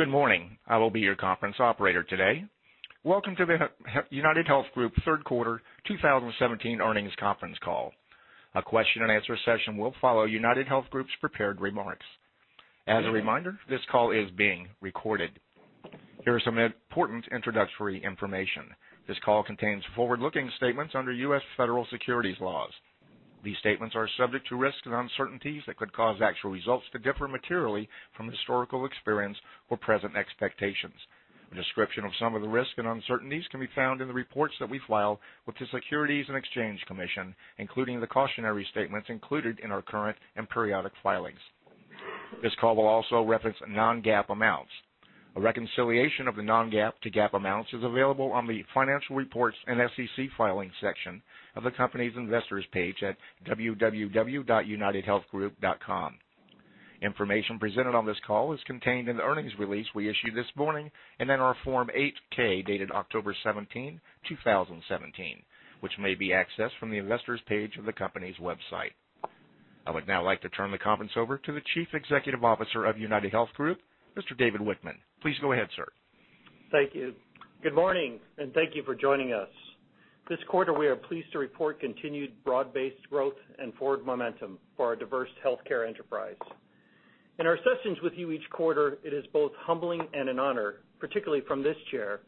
Good morning. I will be your conference operator today. Welcome to the UnitedHealth Group third quarter 2017 earnings conference call. A question and answer session will follow UnitedHealth Group's prepared remarks. As a reminder, this call is being recorded. Here are some important introductory information. This call contains forward-looking statements under U.S. federal securities laws. These statements are subject to risks and uncertainties that could cause actual results to differ materially from historical experience or present expectations. A description of some of the risks and uncertainties can be found in the reports that we file with the Securities and Exchange Commission, including the cautionary statements included in our current and periodic filings. This call will also reference non-GAAP amounts. A reconciliation of the non-GAAP to GAAP amounts is available on the financial reports and SEC filings section of the company's investors page at www.unitedhealthgroup.com. Information presented on this call is contained in the earnings release we issued this morning and in our Form 8-K, dated October 17, 2017, which may be accessed from the investors page of the company's website. I would now like to turn the conference over to the Chief Executive Officer of UnitedHealth Group, Mr. David Wichmann. Please go ahead, sir. Thank you. Good morning. Thank you for joining us. This quarter, we are pleased to report continued broad-based growth and forward momentum for our diverse healthcare enterprise. In our sessions with you each quarter, it is both humbling and an honor, particularly from this chair,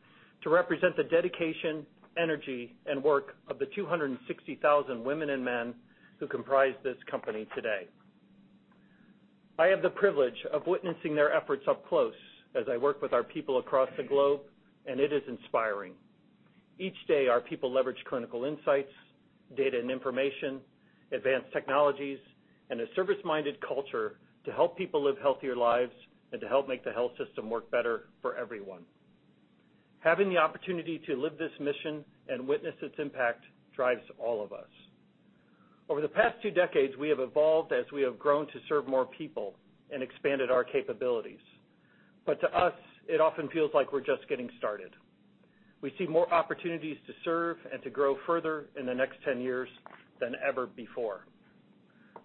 to represent the dedication, energy, and work of the 260,000 women and men who comprise this company today. I have the privilege of witnessing their efforts up close as I work with our people across the globe, and it is inspiring. Each day, our people leverage clinical insights, data and information, advanced technologies, and a service-minded culture to help people live healthier lives and to help make the health system work better for everyone. Having the opportunity to live this mission and witness its impact drives all of us. Over the past two decades, we have evolved as we have grown to serve more people and expanded our capabilities. To us, it often feels like we're just getting started. We see more opportunities to serve and to grow further in the next 10 years than ever before.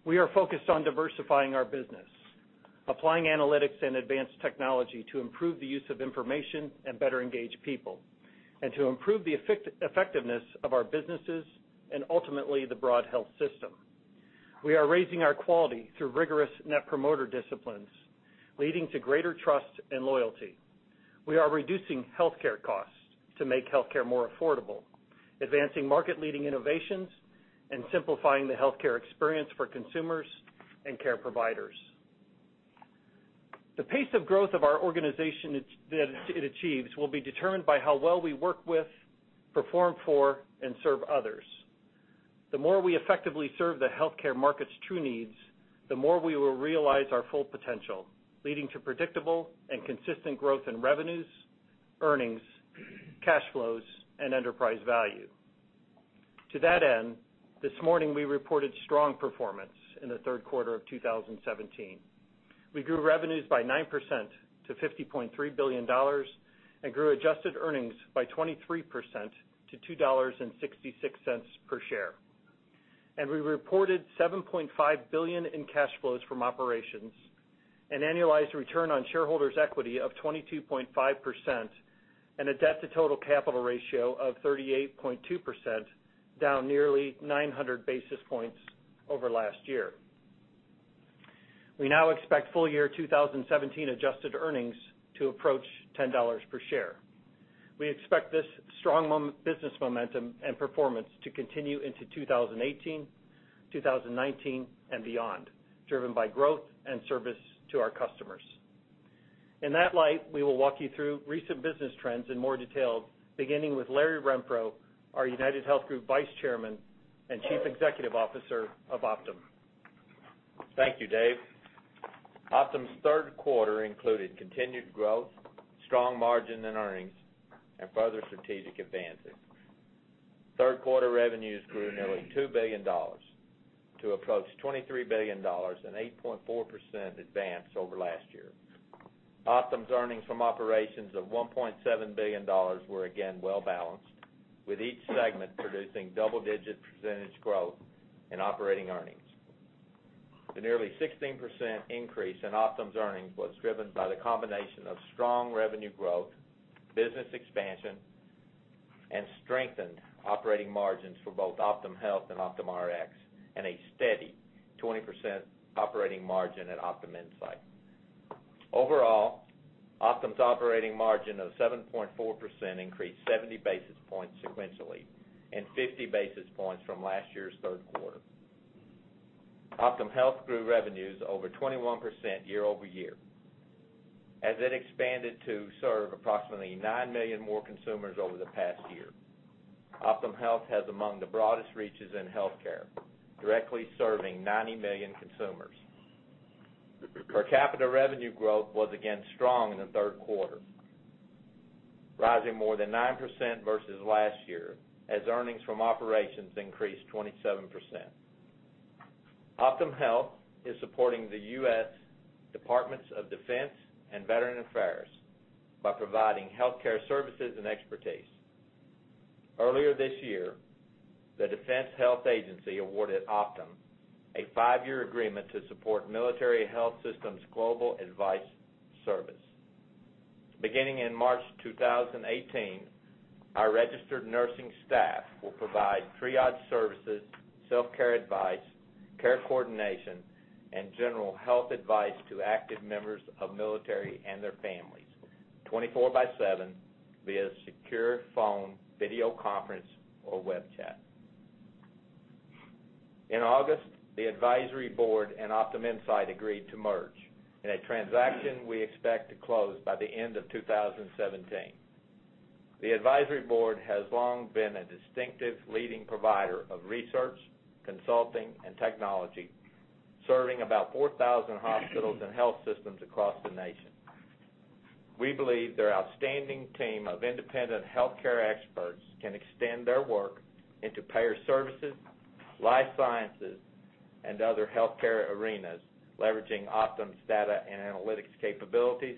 We are focused on diversifying our business, applying analytics and advanced technology to improve the use of information and better engage people, and to improve the effectiveness of our businesses and ultimately the broad health system. We are raising our quality through rigorous Net Promoter disciplines, leading to greater trust and loyalty. We are reducing healthcare costs to make healthcare more affordable, advancing market-leading innovations, and simplifying the healthcare experience for consumers and care providers. The pace of growth of our organization it achieves will be determined by how well we work with, perform for, and serve others. The more we effectively serve the healthcare market's true needs, the more we will realize our full potential, leading to predictable and consistent growth in revenues, earnings, cash flows, and enterprise value. To that end, this morning, we reported strong performance in the third quarter of 2017. We grew revenues by 9% to $50.3 billion and grew adjusted earnings by 23% to $2.66 per share. We reported $7.5 billion in cash flows from operations, an annualized return on shareholders' equity of 22.5%, and a debt to total capital ratio of 38.2%, down nearly 900 basis points over last year. We now expect full year 2017 adjusted earnings to approach $10 per share. We expect this strong business momentum and performance to continue into 2018, 2019, and beyond, driven by growth and service to our customers. In that light, we will walk you through recent business trends in more detail, beginning with Larry Renfro, our UnitedHealth Group Vice Chairman and Chief Executive Officer of Optum. Thank you, Dave. Optum's third quarter included continued growth, strong margin and earnings, and further strategic advances. Third quarter revenues grew nearly $2 billion to approach $23 billion, an 8.4% advance over last year. Optum's earnings from operations of $1.7 billion were again well-balanced, with each segment producing double-digit percentage growth in operating earnings. The nearly 16% increase in Optum's earnings was driven by the combination of strong revenue growth, business expansion, and strengthened operating margins for both Optum Health and OptumRx, and a steady 20% operating margin at Optum Insight. Overall, Optum's operating margin of 7.4% increased 70 basis points sequentially and 50 basis points from last year's third quarter. Optum Health grew revenues over 21% year-over-year as it expanded to serve approximately nine million more consumers over the past year. Optum Health has among the broadest reaches in healthcare, directly serving 90 million consumers. Per capita revenue growth was again strong in the third quarter, rising more than 9% versus last year as earnings from operations increased 27%. Optum Health is supporting the U.S. Department of Defense and Veterans Affairs by providing healthcare services and expertise. Earlier this year, the Defense Health Agency awarded Optum a five-year agreement to support military health systems global advice service. Beginning in March 2018, our registered nursing staff will provide triage services, self-care advice, care coordination, and general health advice to active members of military and their families 24 by seven via secure phone, video conference, or web chat. In August, The Advisory Board and Optum Insight agreed to merge in a transaction we expect to close by the end of 2017. The Advisory Board has long been a distinctive leading provider of research, consulting, and technology, serving about 4,000 hospitals and health systems across the nation. We believe their outstanding team of independent healthcare experts can extend their work into payer services, life sciences, and other healthcare arenas, leveraging Optum's data and analytics capabilities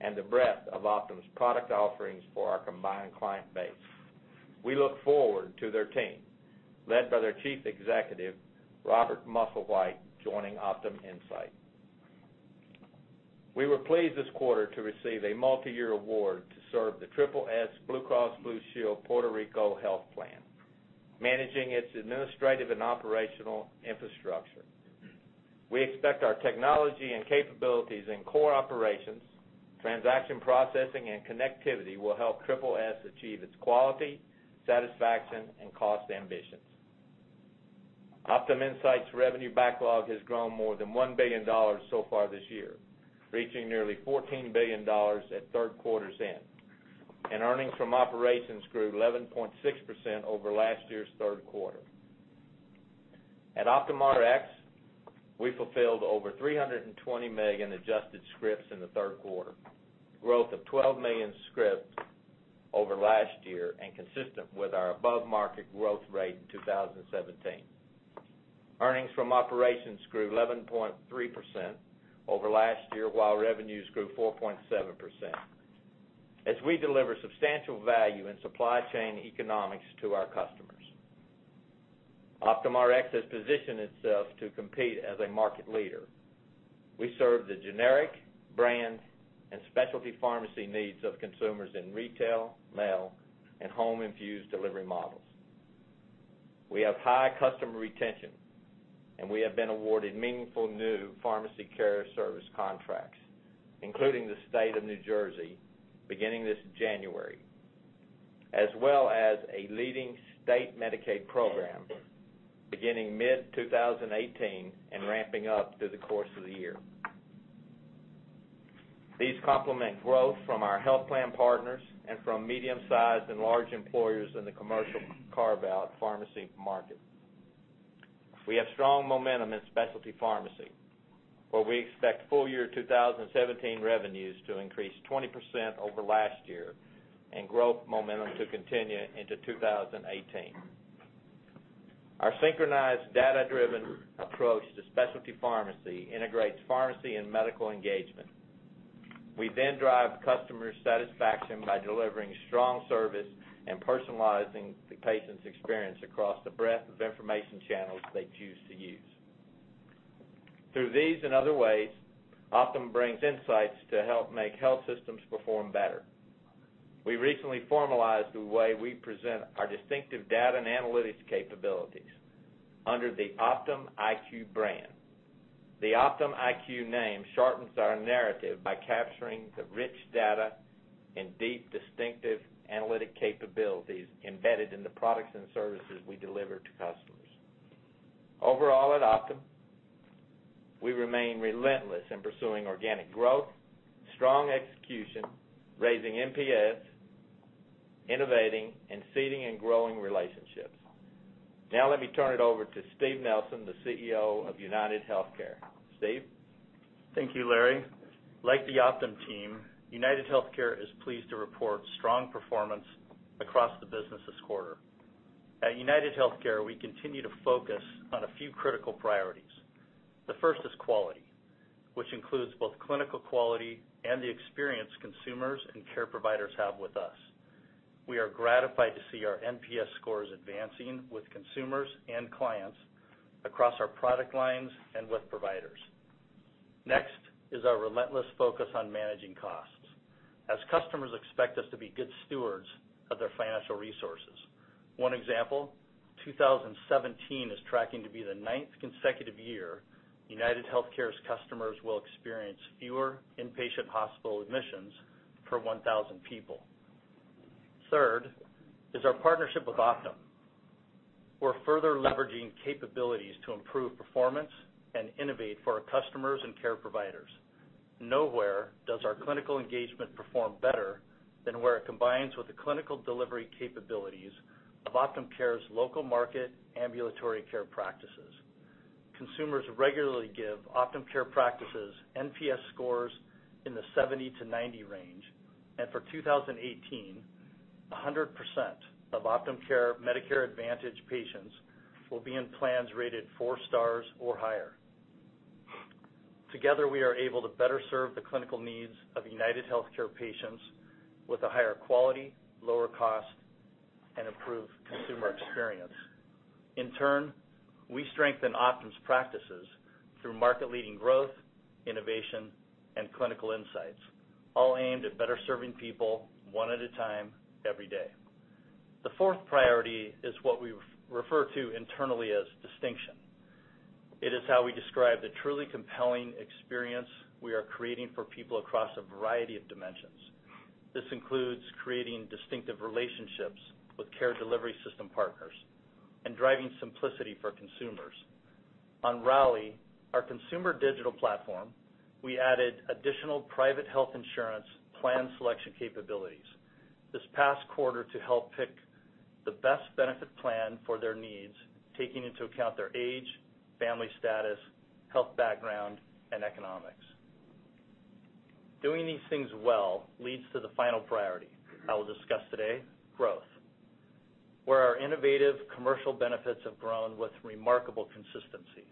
and the breadth of Optum's product offerings for our combined client base. We look forward to their team, led by their Chief Executive, Robert Musslewhite, joining Optum Insight. We were pleased this quarter to receive a multi-year award to serve the Triple-S Blue Cross Blue Shield Puerto Rico health plan, managing its administrative and operational infrastructure. We expect our technology and capabilities in core operations, transaction processing, and connectivity will help Triple-S achieve its quality, satisfaction, and cost ambitions. Optum Insight's revenue backlog has grown more than $1 billion so far this year, reaching nearly $14 billion at third quarter's end, and earnings from operations grew 11.6% over last year's third quarter. At OptumRx, we fulfilled over 320 million adjusted scripts in the third quarter, growth of 12 million scripts over last year and consistent with our above-market growth rate in 2017. Earnings from operations grew 11.3% over last year, while revenues grew 4.7% as we deliver substantial value in supply chain economics to our customers. OptumRx has positioned itself to compete as a market leader. We serve the generic, brand, and specialty pharmacy needs of consumers in retail, mail, and home infused delivery models. We have high customer retention, and we have been awarded meaningful new pharmacy care service contracts, including the State of New Jersey beginning this January, as well as a leading state Medicaid program beginning mid-2018 and ramping up through the course of the year. These complement growth from our health plan partners and from medium-sized and large employers in the commercial carve-out pharmacy market. We have strong momentum in specialty pharmacy, where we expect full year 2017 revenues to increase 20% over last year and growth momentum to continue into 2018. Our synchronized data-driven approach to specialty pharmacy integrates pharmacy and medical engagement. We then drive customer satisfaction by delivering strong service and personalizing the patient's experience across the breadth of information channels they choose to use. Through these and other ways, Optum brings insights to help make health systems perform better. We recently formalized the way we present our distinctive data and analytics capabilities under the Optum IQ brand. The Optum IQ name sharpens our narrative by capturing the rich data and deep distinctive analytic capabilities embedded in the products and services we deliver to customers. Overall at Optum, we remain relentless in pursuing organic growth, strong execution, raising NPS, innovating, and seeding and growing relationships. Let me turn it over to Steve Nelson, the CEO of UnitedHealthcare. Steve? Thank you, Larry. Like the Optum team, UnitedHealthcare is pleased to report strong performance across the business this quarter. At UnitedHealthcare, we continue to focus on a few critical priorities. The first is quality, which includes both clinical quality and the experience consumers and care providers have with us. We are gratified to see our NPS scores advancing with consumers and clients across our product lines and with providers. Next is our relentless focus on managing costs as customers expect us to be good stewards of their financial resources. One example, 2017 is tracking to be the ninth consecutive year UnitedHealthcare's customers will experience fewer inpatient hospital admissions per 1,000 people. Third is our partnership with Optum. We're further leveraging capabilities to improve performance and innovate for our customers and care providers. Nowhere does our clinical engagement perform better than where it combines with the clinical delivery capabilities of Optum Care's local market ambulatory care practices. Consumers regularly give Optum Care practices NPS scores in the 70-90 range. For 2018, 100% of Optum Care Medicare Advantage patients will be in plans rated four stars or higher. Together, we are able to better serve the clinical needs of UnitedHealthcare patients with a higher quality, lower cost, and improved consumer experience. In turn, we strengthen Optum's practices through market-leading growth, innovation, and clinical insights, all aimed at better serving people one at a time, every day. The fourth priority is what we refer to internally as distinction. It is how we describe the truly compelling experience we are creating for people across a variety of dimensions. This includes creating distinctive relationships with care delivery system partners and driving simplicity for consumers. On Rally, our consumer digital platform, we added additional private health insurance plan selection capabilities this past quarter to help pick the best benefit plan for their needs, taking into account their age, family status, health background, and economics. Doing these things well leads to the final priority I will discuss today, growth, where our innovative commercial benefits have grown with remarkable consistency.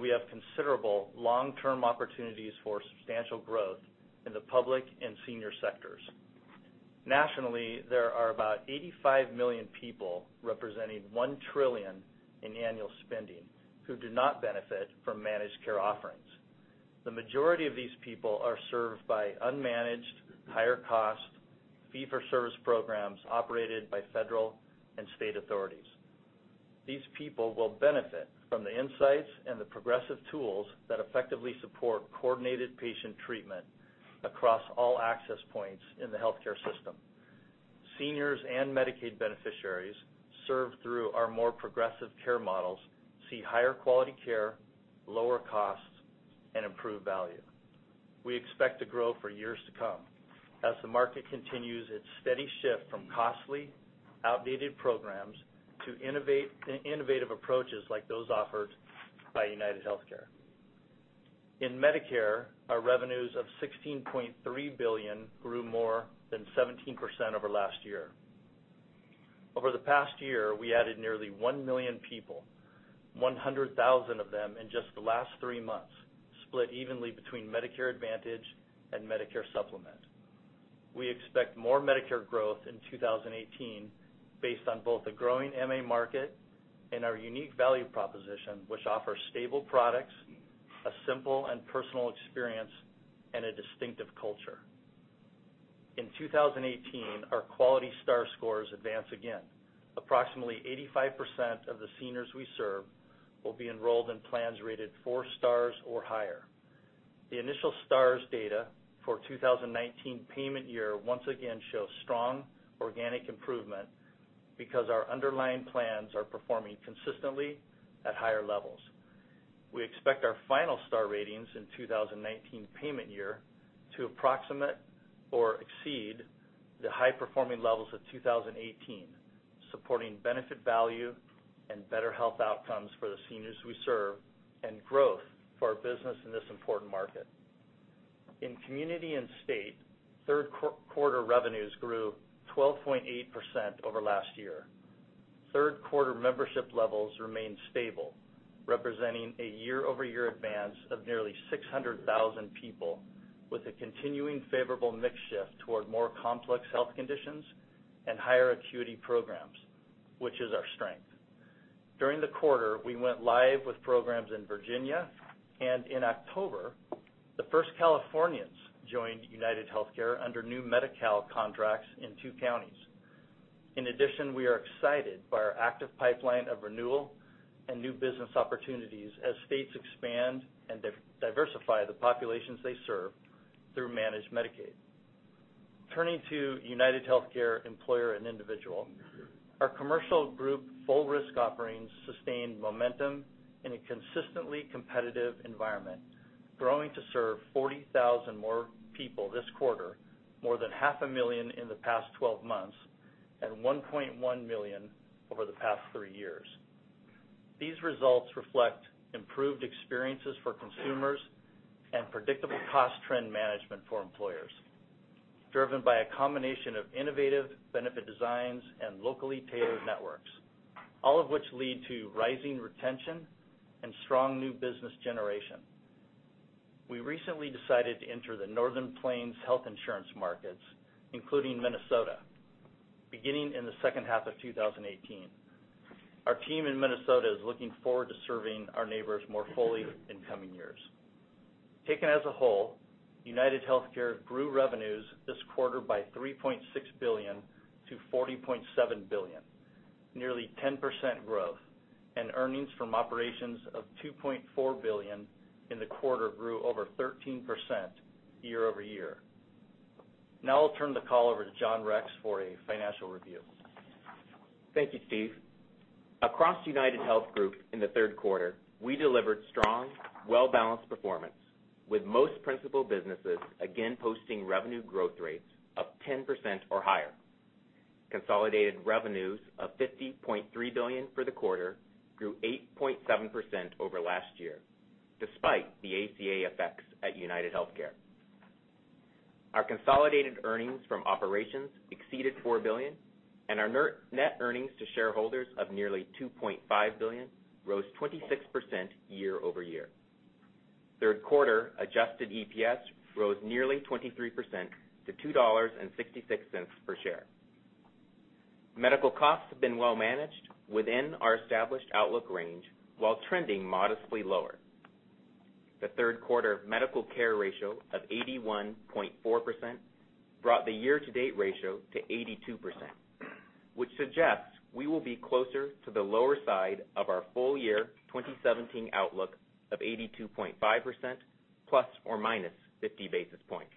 We have considerable long-term opportunities for substantial growth in the public and senior sectors. Nationally, there are about 85 million people, representing $1 trillion in annual spending, who do not benefit from managed care offerings. The majority of these people are served by unmanaged, higher cost, fee-for-service programs operated by federal and state authorities. These people will benefit from the insights and the progressive tools that effectively support coordinated patient treatment across all access points in the healthcare system. Seniors and Medicaid beneficiaries served through our more progressive care models see higher quality care, lower costs, and improved value. We expect to grow for years to come as the market continues its steady shift from costly, outdated programs to innovative approaches like those offered by UnitedHealthcare. In Medicare, our revenues of $16.3 billion grew more than 17% over last year. Over the past year, we added nearly 1 million people, 100,000 of them in just the last three months, split evenly between Medicare Advantage and Medicare Supplement. We expect more Medicare growth in 2018 based on both the growing MA market and our unique value proposition, which offers stable products, a simple and personal experience, and a distinctive culture. In 2018, our quality star scores advanced again. Approximately 85% of the seniors we serve will be enrolled in plans rated 4 stars or higher. The initial stars data for 2019 payment year once again shows strong organic improvement because our underlying plans are performing consistently at higher levels. We expect our final star ratings in 2019 payment year to approximate or exceed the high-performing levels of 2018, supporting benefit value and better health outcomes for the seniors we serve and growth for our business in this important market. In Community & State, third quarter revenues grew 12.8% over last year. Third quarter membership levels remained stable, representing a year-over-year advance of nearly 600,000 people with a continuing favorable mix shift toward more complex health conditions and higher acuity programs, which is our strength. During the quarter, we went live with programs in Virginia. In October, the first Californians joined UnitedHealthcare under new Medi-Cal contracts in two counties. In addition, we are excited by our active pipeline of renewal and new business opportunities as states expand and diversify the populations they serve through managed Medicaid. Turning to UnitedHealthcare Employer & Individual, our commercial group full risk offerings sustained momentum in a consistently competitive environment, growing to serve 40,000 more people this quarter, more than half a million in the past 12 months, and 1.1 million over the past three years. These results reflect improved experiences for consumers and predictable cost trend management for employers, driven by a combination of innovative benefit designs and locally tailored networks, all of which lead to rising retention and strong new business generation. We recently decided to enter the Northern Plains health insurance markets, including Minnesota, beginning in the second half of 2018. Our team in Minnesota is looking forward to serving our neighbors more fully in coming years. Taken as a whole, UnitedHealthcare grew revenues this quarter by $3.6 billion to $40.7 billion, nearly 10% growth, and earnings from operations of $2.4 billion in the quarter grew over 13% year-over-year. I'll turn the call over to John Rex for a financial review. Thank you, Steve. Across UnitedHealth Group in the third quarter, we delivered strong, well-balanced performance with most principal businesses again posting revenue growth rates of 10% or higher. Consolidated revenues of $50.3 billion for the quarter grew 8.7% over last year, despite the ACA effects at UnitedHealthcare. Our consolidated earnings from operations exceeded $4 billion, and our net earnings to shareholders of nearly $2.5 billion rose 26% year-over-year. Third quarter adjusted EPS rose nearly 23% to $2.66 per share. Medical costs have been well managed within our established outlook range while trending modestly lower. The third quarter medical care ratio of 81.4% brought the year-to-date ratio to 82%, which suggests we will be closer to the lower side of our full year 2017 outlook of 82.5% ±50 basis points.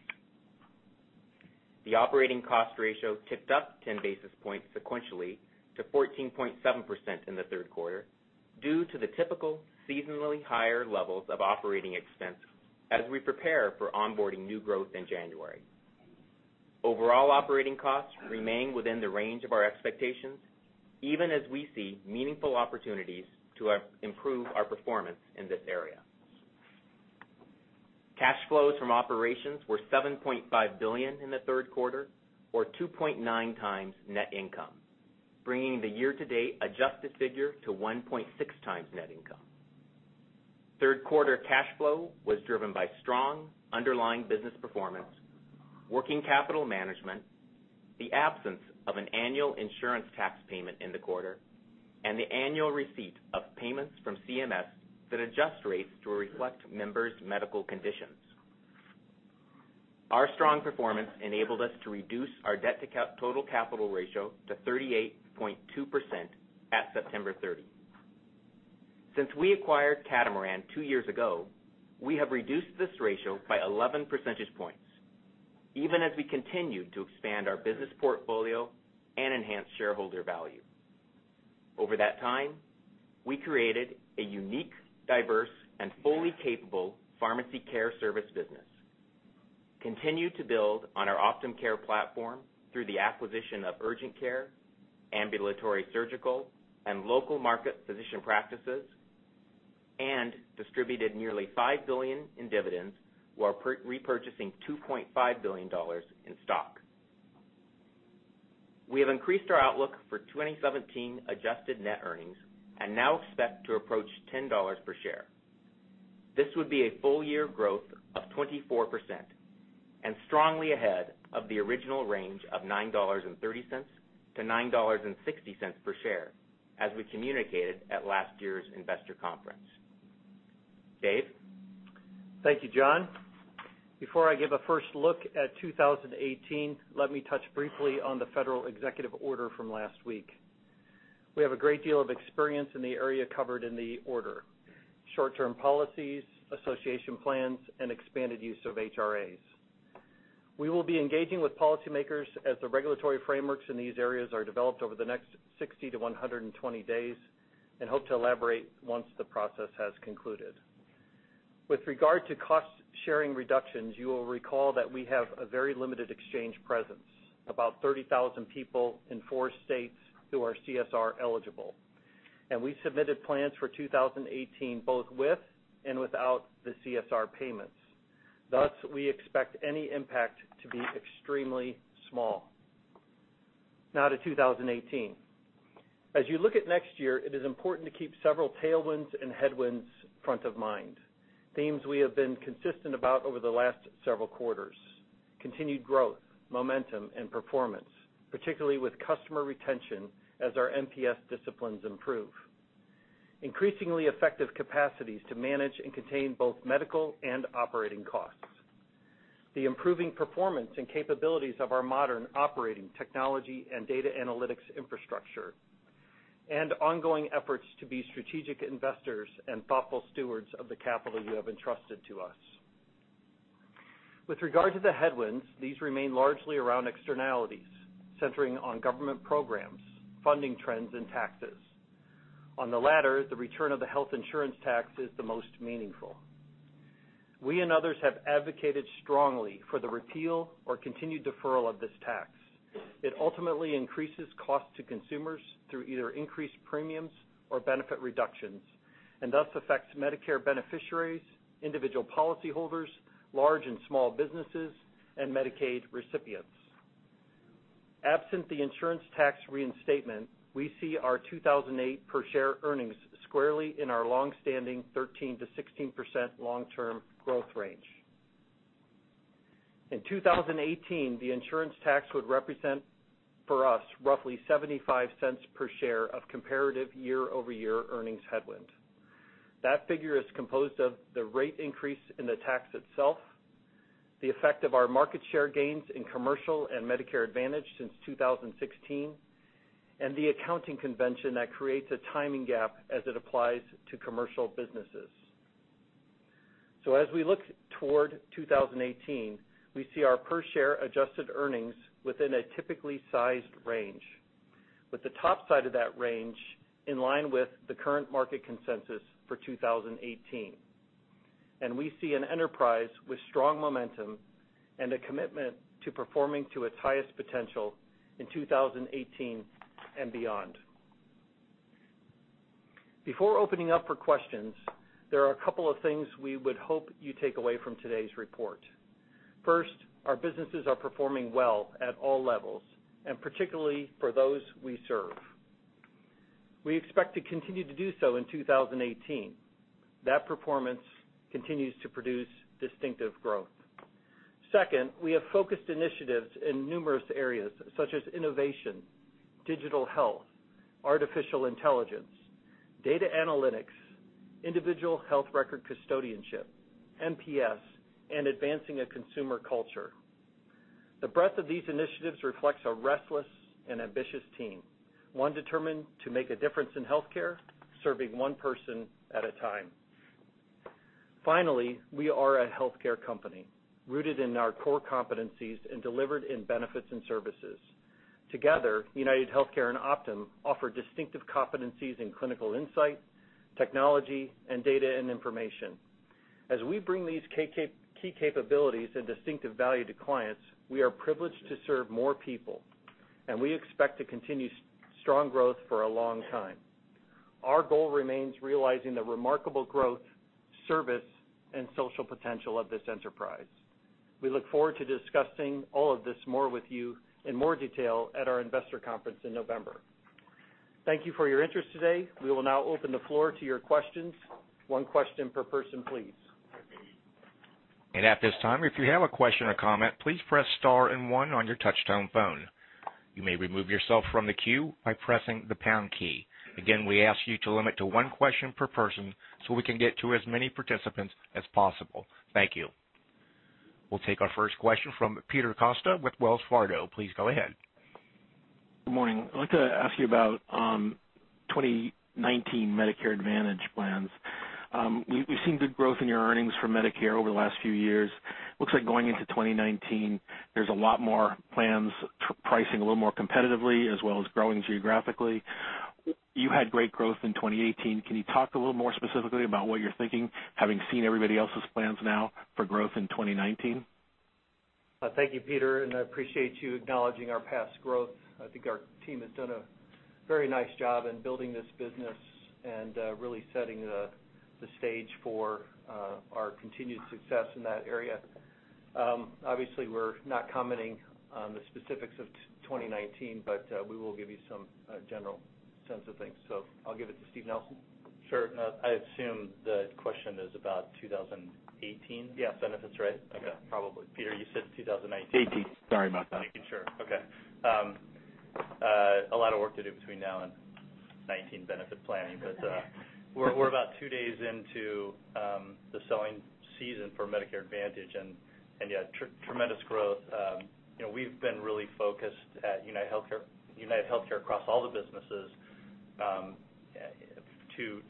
The operating cost ratio ticked up 10 basis points sequentially to 14.7% in the third quarter due to the typical seasonally higher levels of operating expense as we prepare for onboarding new growth in January. Overall operating costs remain within the range of our expectations, even as we see meaningful opportunities to improve our performance in this area. Cash flows from operations were $7.5 billion in the third quarter, or 2.9 times net income, bringing the year-to-date adjusted figure to 1.6 times net income. Third quarter cash flow was driven by strong underlying business performance, working capital management, the absence of an annual insurance tax payment in the quarter, and the annual receipt of payments from CMS that adjust rates to reflect members' medical conditions. Our strong performance enabled us to reduce our debt to total capital ratio to 38.2% at September 30. Since we acquired Catamaran two years ago, we have reduced this ratio by 11 percentage points, even as we continued to expand our business portfolio and enhance shareholder value. Over that time, we created a unique, diverse, and fully capable pharmacy care service business, continued to build on our Optum Care platform through the acquisition of urgent care, ambulatory surgical, and local market physician practices, and distributed nearly $5 billion in dividends while repurchasing $2.5 billion in stock. We have increased our outlook for 2017 adjusted net earnings and now expect to approach $10 per share. This would be a full-year growth of 24% and strongly ahead of the original range of $9.30 to $9.60 per share, as we communicated at last year's investor conference. Dave? Thank you, John. Before I give a first look at 2018, let me touch briefly on the federal executive order from last week. We have a great deal of experience in the area covered in the order, short-term policies, association plans, and expanded use of HRAs. We will be engaging with policymakers as the regulatory frameworks in these areas are developed over the next 60 to 120 days and hope to elaborate once the process has concluded. With regard to cost-sharing reductions, you will recall that we have a very limited exchange presence, about 30,000 people in four states who are CSR eligible, and we submitted plans for 2018, both with and without the CSR payments. Thus, we expect any impact to be extremely small. Now to 2018. As you look at next year, it is important to keep several tailwinds and headwinds front of mind, themes we have been consistent about over the last several quarters. Continued growth, momentum, and performance, particularly with customer retention as our NPS disciplines improve. Increasingly effective capacities to manage and contain both medical and operating costs. The improving performance and capabilities of our modern operating technology and data analytics infrastructure, and ongoing efforts to be strategic investors and thoughtful stewards of the capital you have entrusted to us. With regard to the headwinds, these remain largely around externalities, centering on government programs, funding trends, and taxes. On the latter, the return of the health insurance tax is the most meaningful. We and others have advocated strongly for the repeal or continued deferral of this tax. It ultimately increases cost to consumers through either increased premiums or benefit reductions and thus affects Medicare beneficiaries, individual policyholders, large and small businesses, and Medicaid recipients. Absent the insurance tax reinstatement, we see our 2018 per share earnings squarely in our longstanding 13%-16% long-term growth range. In 2018, the insurance tax would represent for us roughly $0.75 per share of comparative year-over-year earnings headwind. That figure is composed of the rate increase in the tax itself, the effect of our market share gains in commercial and Medicare Advantage since 2016, and the accounting convention that creates a timing gap as it applies to commercial businesses. As we look toward 2018, we see our per share adjusted earnings within a typically sized range, with the top side of that range in line with the current market consensus for 2018. We see an enterprise with strong momentum and a commitment to performing to its highest potential in 2018 and beyond. Before opening up for questions, there are a couple of things we would hope you take away from today's report. First, our businesses are performing well at all levels and particularly for those we serve. We expect to continue to do so in 2018. That performance continues to produce distinctive growth. Second, we have focused initiatives in numerous areas such as innovation, digital health, artificial intelligence, data analytics, individual health record custodianship, NPS, and advancing a consumer culture. The breadth of these initiatives reflects a restless and ambitious team, one determined to make a difference in healthcare, serving one person at a time. Finally, we are a healthcare company rooted in our core competencies and delivered in benefits and services. Together, UnitedHealthcare and Optum offer distinctive competencies in clinical insight, technology, and data and information. As we bring these key capabilities and distinctive value to clients, we are privileged to serve more people, and we expect to continue strong growth for a long time. Our goal remains realizing the remarkable growth, service, and social potential of this enterprise. We look forward to discussing all of this more with you in more detail at our investor conference in November. Thank you for your interest today. We will now open the floor to your questions. One question per person, please. At this time, if you have a question or comment, please press star and one on your touch-tone phone. You may remove yourself from the queue by pressing the pound key. Again, we ask you to limit to one question per person so we can get to as many participants as possible. Thank you. We'll take our first question from Peter Costa with Wells Fargo. Please go ahead. Good morning. I'd like to ask you about 2019 Medicare Advantage plans. We've seen good growth in your earnings for Medicare over the last few years. Looks like going into 2019, there's a lot more plans pricing a little more competitively as well as growing geographically. You had great growth in 2018. Can you talk a little more specifically about what you're thinking, having seen everybody else's plans now for growth in 2019? Thank you, Peter, and I appreciate you acknowledging our past growth. I think our team has done a very nice job in building this business and really setting the stage for our continued success in that area. We're not commenting on the specifics of 2019, but we will give you some general sense of things. I'll give it to Steve Nelson. Sure. I assume the question is about 2018 benefits, right? Yeah. Okay. Probably. Peter, you said 2019. 2018. Sorry about that. Sure. Okay. A lot of work to do between now and 2019 benefit planning. We're about two days into the selling season for Medicare Advantage and yet tremendous growth. We've been really focused at UnitedHealthcare across all the businesses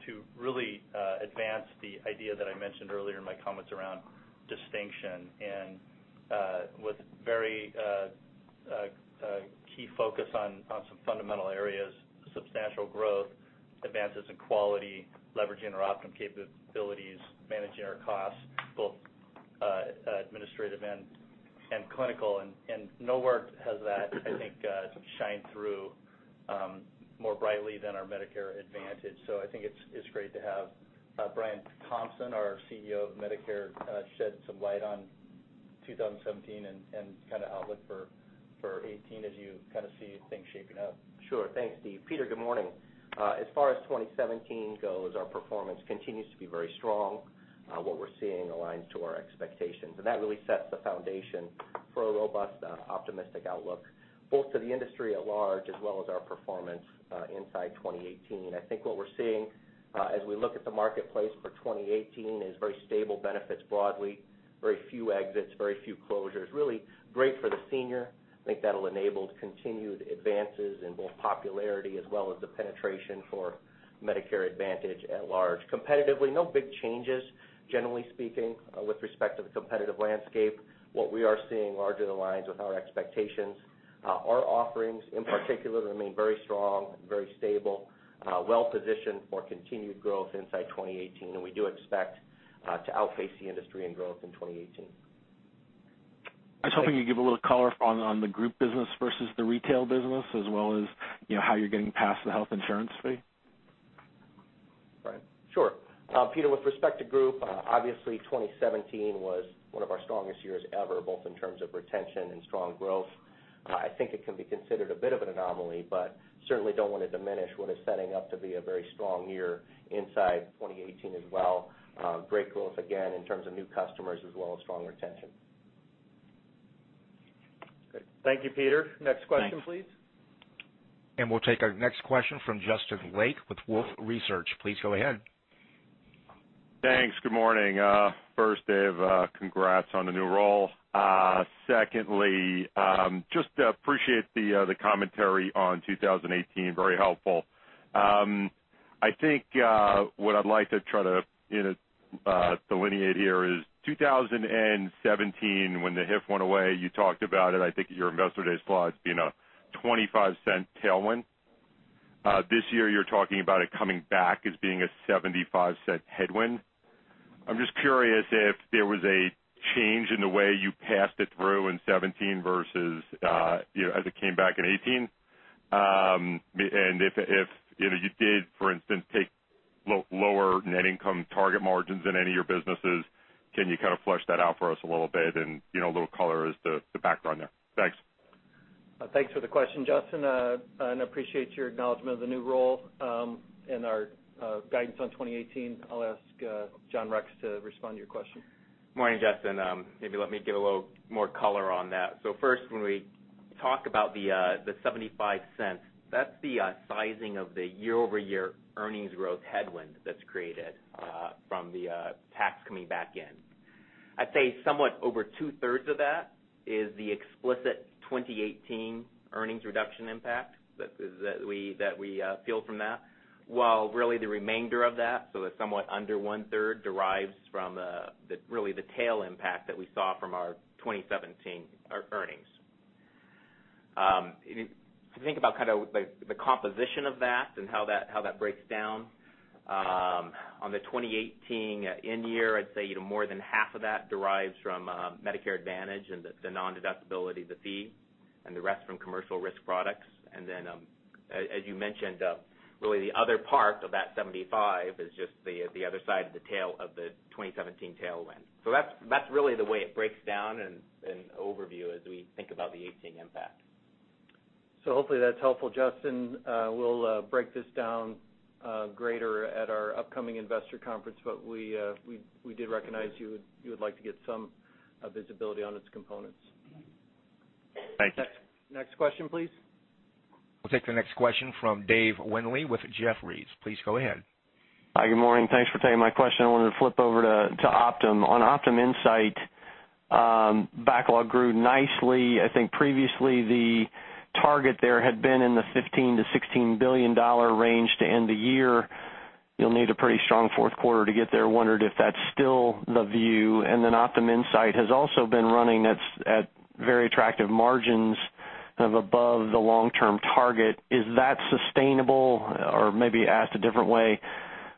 to really advance the idea that I mentioned earlier in my comments around distinction and with very key focus on some fundamental areas, substantial growth, advances in quality, leveraging our Optum capabilities, managing our costs, both administrative and clinical. Nowhere has that, I think, shined through more brightly than our Medicare Advantage. I think it's great to have Brian Thompson, our CEO of Medicare, shed some light on 2017 and kind of outlook for 2018 as you kind of see things shaping up. Sure. Thanks, Steve. Peter, good morning. As far as 2017 goes, our performance continues to be very strong. What we're seeing aligns to our expectations, and that really sets the foundation for a robust, optimistic outlook, both to the industry at large as well as our performance inside 2018. I think what we're seeing as we look at the marketplace for 2018 is very stable benefits broadly, very few exits, very few closures. Really great for the senior. I think that'll enable continued advances in both popularity as well as the penetration for Medicare Advantage at large. Competitively, no big changes. Generally speaking, with respect to the competitive landscape, what we are seeing largely aligns with our expectations. Our offerings, in particular, remain very strong, very stable, well-positioned for continued growth inside 2018, and we do expect to outpace the industry in growth in 2018. I was hoping you'd give a little color on the group business versus the retail business as well as how you're getting past the Health Insurance Fee. Brian? Sure. Peter, with respect to group, obviously 2017 was one of our strongest years ever, both in terms of retention and strong growth. I think it can be considered a bit of an anomaly, but certainly don't want to diminish what is setting up to be a very strong year inside 2018 as well. Great growth, again, in terms of new customers as well as strong retention. Good. Thank you, Peter. Next question, please. We'll take our next question from Justin Lake with Wolfe Research. Please go ahead. Thanks. Good morning. First, Dave, congrats on the new role. Secondly, just appreciate the commentary on 2018. Very helpful. I think what I'd like to try to delineate here is 2017 when the HIF went away, you talked about it, I think at your investor day slide, being a $0.25 tailwind. This year, you're talking about it coming back as being a $0.75 headwind. I'm just curious if there was a change in the way you passed it through in 2017 versus as it came back in 2018. If you did, for instance, take lower net income target margins in any of your businesses, can you kind of flesh that out for us a little bit? A little color as to the background there. Thanks. Thanks for the question, Justin. Appreciate your acknowledgement of the new role, and our guidance on 2018. I'll ask John Rex to respond to your question. Morning, Justin. Maybe let me give a little more color on that. First, when we talk about the $0.75, that's the sizing of the year-over-year earnings growth headwind that's created from the tax coming back in. I'd say somewhat over two-thirds of that is the explicit 2018 earnings reduction impact that we feel from that. While really the remainder of that, so that somewhat under one-third, derives from really the tail impact that we saw from our 2017 earnings. If you think about the composition of that and how that breaks down on the 2018 in-year, I'd say more than half of that derives from Medicare Advantage and the non-deductibility of the fee, and the rest from commercial risk products. Then, as you mentioned, really the other part of that 75 is just the other side of the tail of the 2017 tailwind. That's really the way it breaks down in overview as we think about the 2018 impact. Hopefully that's helpful, Justin. We'll break this down greater at our upcoming investor conference, we did recognize you would like to get some visibility on its components. Thank you. Next question, please. We'll take the next question from David Windley with Jefferies. Please go ahead. Hi, good morning. Thanks for taking my question. I wanted to flip over to Optum. On Optum Insight, backlog grew nicely. I think previously the target there had been in the $15 billion-$16 billion range to end the year. You'll need a pretty strong fourth quarter to get there. Wondered if that's still the view. Maybe asked a different way,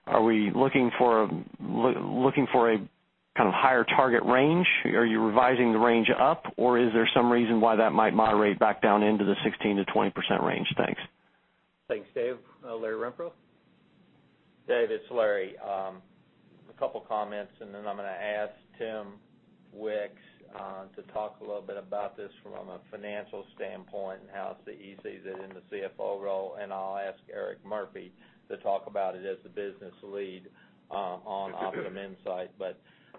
are we looking for a kind of higher target range? Are you revising the range up, or is there some reason why that might moderate back down into the 16%-20% range? Thanks. Thanks, Dave. Larry Renfro? Dave, it's Larry. A couple comments, then I'm going to ask Tim Wicks to talk a little bit about this from a financial standpoint and how he sees it in the CFO role. I'll ask Eric Murphy to talk about it as the business lead on OptumInsight.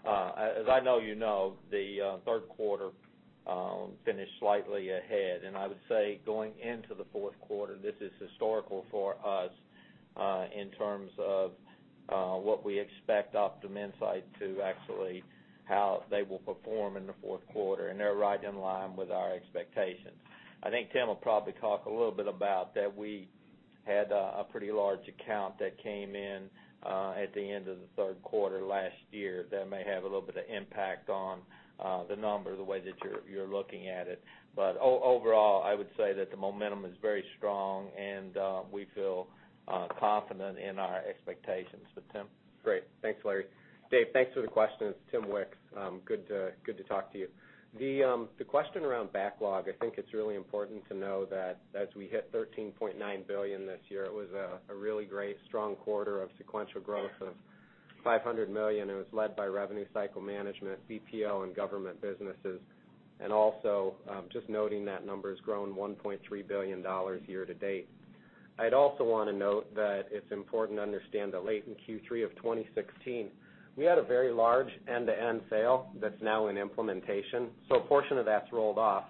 As I know you know, the third quarter finished slightly ahead. I would say going into the fourth quarter, this is historical for us, in terms of what we expect OptumInsight to actually, how they will perform in the fourth quarter, and they're right in line with our expectations. I think Tim will probably talk a little bit about that we had a pretty large account that came in at the end of the third quarter last year that may have a little bit of impact on the number, the way that you're looking at it. Overall, I would say that the momentum is very strong, and we feel confident in our expectations. Tim? Great. Thanks, Larry. Dave, thanks for the question. It's Timothy Wicks. Good to talk to you. The question around backlog, I think it's really important to know that as we hit $13.9 billion this year, it was a really great, strong quarter of sequential growth of $500 million, and it was led by revenue cycle management, BPO, and government businesses. Also, just noting that number has grown $1.3 billion year to date. I'd also want to note that it's important to understand that late in Q3 of 2016, we had a very large end-to-end sale that's now in implementation. A portion of that's rolled off.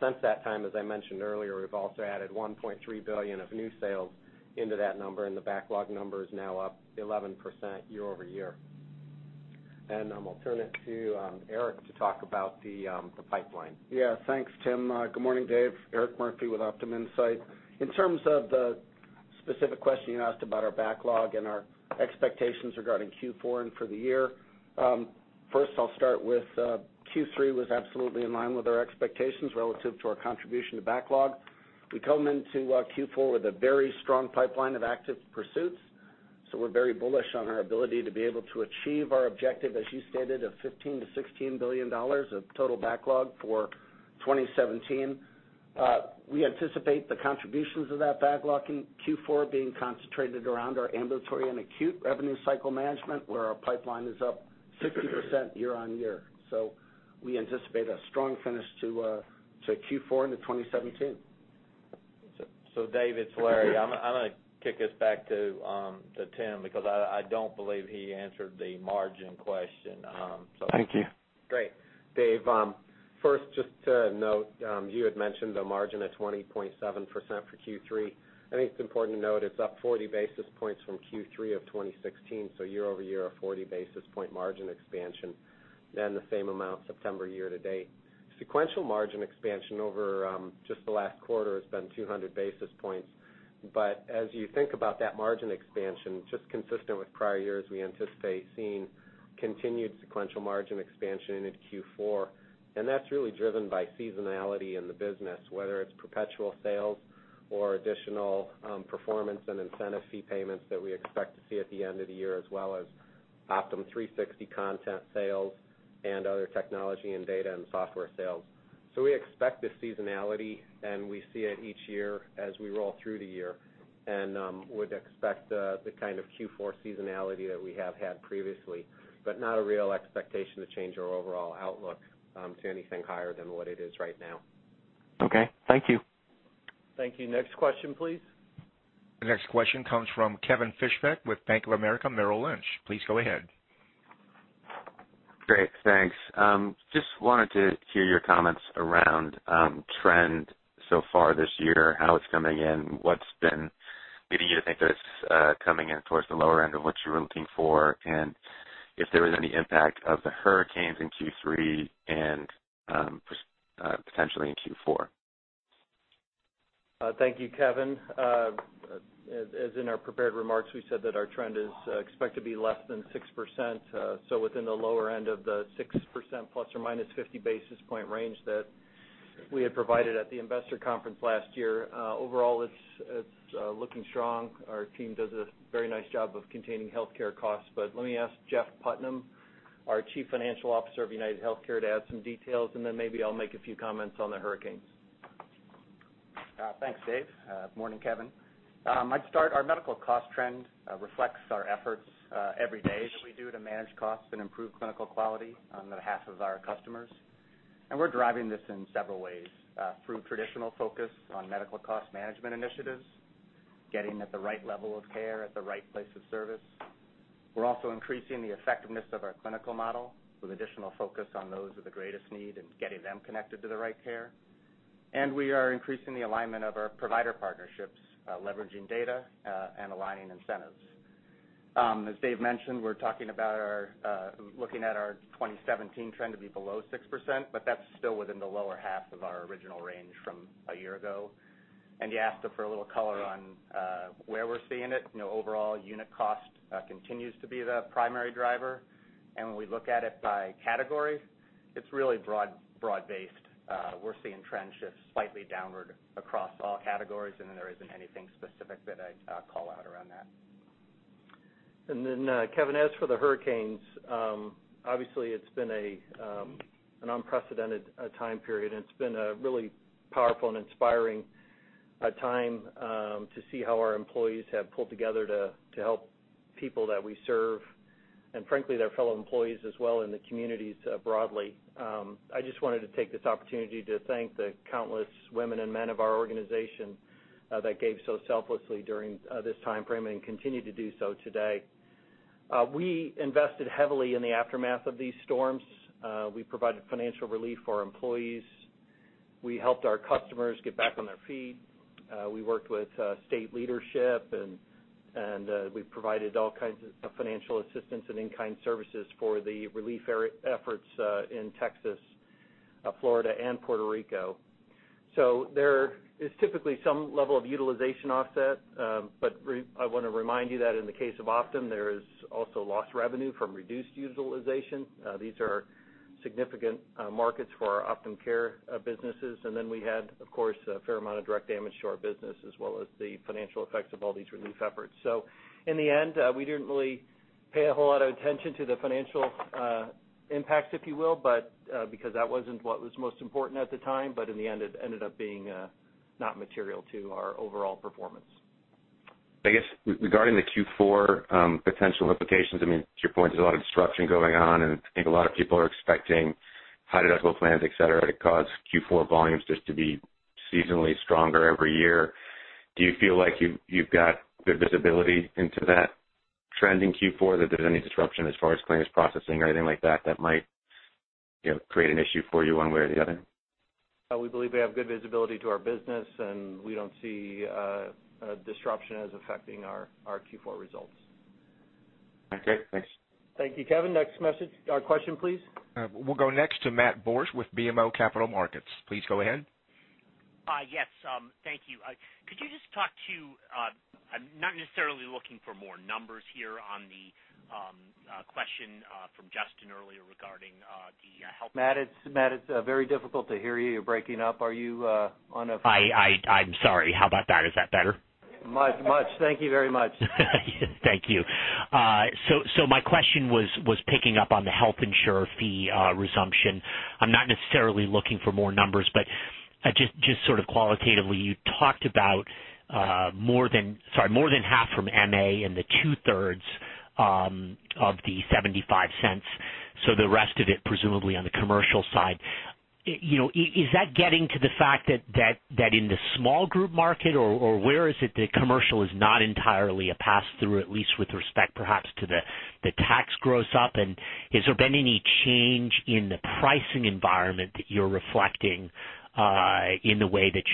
Since that time, as I mentioned earlier, we've also added $1.3 billion of new sales into that number, and the backlog number is now up 11% year-over-year. I'll turn it to Eric to talk about the pipeline. Thanks, Tim. Good morning, Dave. Eric Murphy with OptumInsight. In terms of the specific question you asked about our backlog and our expectations regarding Q4 and for the year, first I'll start with Q3 was absolutely in line with our expectations relative to our contribution to backlog. We come into Q4 with a very strong pipeline of active pursuits. We're very bullish on our ability to be able to achieve our objective, as you stated, of $15 billion-$16 billion of total backlog for 2017. We anticipate the contributions of that backlog in Q4 being concentrated around our ambulatory and acute revenue cycle management, where our pipeline is up 60% year-over-year. We anticipate a strong finish to Q4 into 2017. Dave, it's Larry. I'm going to kick this back to Tim because I don't believe he answered the margin question. Thank you. Great. Dave, first, just to note, you had mentioned the margin of 20.7% for Q3. I think it's important to note it's up 40 basis points from Q3 of 2016, year-over-year, a 40 basis point margin expansion. The same amount September year-to-date. Sequential margin expansion over just the last quarter has been 200 basis points. As you think about that margin expansion, just consistent with prior years, we anticipate seeing continued sequential margin expansion into Q4. That's really driven by seasonality in the business, whether it's perpetual sales Additional performance and incentive fee payments that we expect to see at the end of the year, as well as Optum360 content sales and other technology and data and software sales. We expect this seasonality, and we see it each year as we roll through the year and would expect the kind of Q4 seasonality that we have had previously, not a real expectation to change our overall outlook to anything higher than what it is right now. Okay, thank you. Thank you. Next question, please. The next question comes from Kevin Fischbeck with Bank of America Merrill Lynch. Please go ahead. Great. Thanks. Just wanted to hear your comments around trend so far this year, how it's coming in, what's been leading you to think that it's coming in towards the lower end of what you were looking for, and if there was any impact of the hurricanes in Q3 and potentially in Q4? Thank you, Kevin. As in our prepared remarks, we said that our trend is expected to be less than 6%, so within the lower end of the 6% plus or minus 50 basis point range that we had provided at the investor conference last year. Overall, it's looking strong. Our team does a very nice job of containing healthcare costs. Let me ask Jeff Putnam, our Chief Financial Officer of UnitedHealthcare, to add some details, and then maybe I'll make a few comments on the hurricanes. Thanks, Dave. Morning, Kevin. Our medical cost trend reflects our efforts every day that we do to manage costs and improve clinical quality on behalf of our customers. We're driving this in several ways. Through traditional focus on medical cost management initiatives, getting at the right level of care at the right place of service. We're also increasing the effectiveness of our clinical model with additional focus on those with the greatest need and getting them connected to the right care. We are increasing the alignment of our provider partnerships, leveraging data, and aligning incentives. As Dave mentioned, we're looking at our 2017 trend to be below 6%, that's still within the lower half of our original range from a year ago. You asked for a little color on where we're seeing it. Overall unit cost continues to be the primary driver. When we look at it by category, it's really broad-based. We're seeing trend shifts slightly downward across all categories, and there isn't anything specific that I'd call out around that. Kevin, as for the hurricanes, obviously, it's been an unprecedented time period. It's been a really powerful and inspiring time to see how our employees have pulled together to help people that we serve, and frankly, their fellow employees as well in the communities broadly. I just wanted to take this opportunity to thank the countless women and men of our organization that gave so selflessly during this timeframe and continue to do so today. We invested heavily in the aftermath of these storms. We provided financial relief for our employees. We helped our customers get back on their feet. We worked with state leadership. We provided all kinds of financial assistance and in-kind services for the relief efforts in Texas, Florida, and Puerto Rico. There is typically some level of utilization offset. I want to remind you that in the case of Optum, there is also lost revenue from reduced utilization. These are significant markets for our Optum Care businesses. We had, of course, a fair amount of direct damage to our business, as well as the financial effects of all these relief efforts. In the end, we didn't really pay a whole lot of attention to the financial impact, if you will, because that wasn't what was most important at the time. In the end, it ended up being not material to our overall performance. Regarding the Q4 potential implications, to your point, there's a lot of disruption going on. I think a lot of people are expecting high deductible plans, et cetera, to cause Q4 volumes just to be seasonally stronger every year. Do you feel like you've got good visibility into that trend in Q4, that there's any disruption as far as claims processing or anything like that that might create an issue for you one way or the other? We believe we have good visibility to our business. We don't see disruption as affecting our Q4 results. Okay, thanks. Thank you, Kevin. Next question please. We'll go next to Matthew Borsch with BMO Capital Markets. Please go ahead. Yes, thank you. I'm not necessarily looking for more numbers here on the question from Justin earlier regarding the health- Matt, it's very difficult to hear you. You're breaking up. Are you on? I'm sorry. How about that? Is that better? Much. Thank you very much. Thank you. My question was picking up on the health insurer fee resumption. I'm not necessarily looking for more numbers, but just qualitatively, you talked about more than half from MA and the two-thirds of the $0.75, the rest of it presumably on the commercial side. Is that getting to the fact that in the small group market, or where is it that commercial is not entirely a pass-through, at least with respect perhaps to the tax gross up? Has there been any change in the pricing environment that you're reflecting in the way that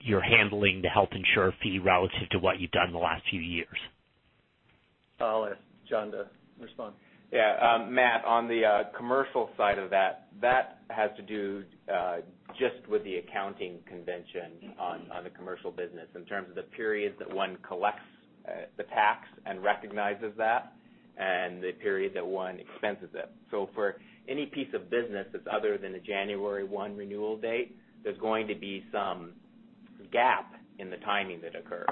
you're handling the health insurer fee relative to what you've done in the last few years? I'll ask John to respond. Yeah. Matt, on the commercial side of that has to do just with the accounting convention on the commercial business in terms of the periods that one collects the tax and recognizes that The period that one expenses it. For any piece of business that's other than a January one renewal date, there's going to be some gap in the timing that occurs.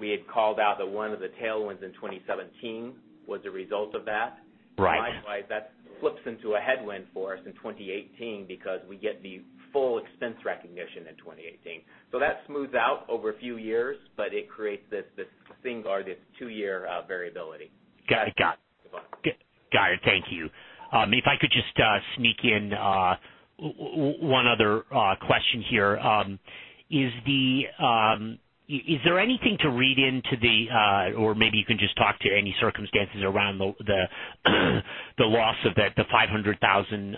We had called out that one of the tailwinds in 2017 was a result of that. Right. Likewise, that flips into a headwind for us in 2018 because we get the full expense recognition in 2018. That smooths out over a few years, but it creates this thing or this two-year variability. Got it. [Over]? Got it. Thank you. If I could just sneak in one other question here. Is there anything to read into the, or maybe you can just talk to any circumstances around the loss of the 500,000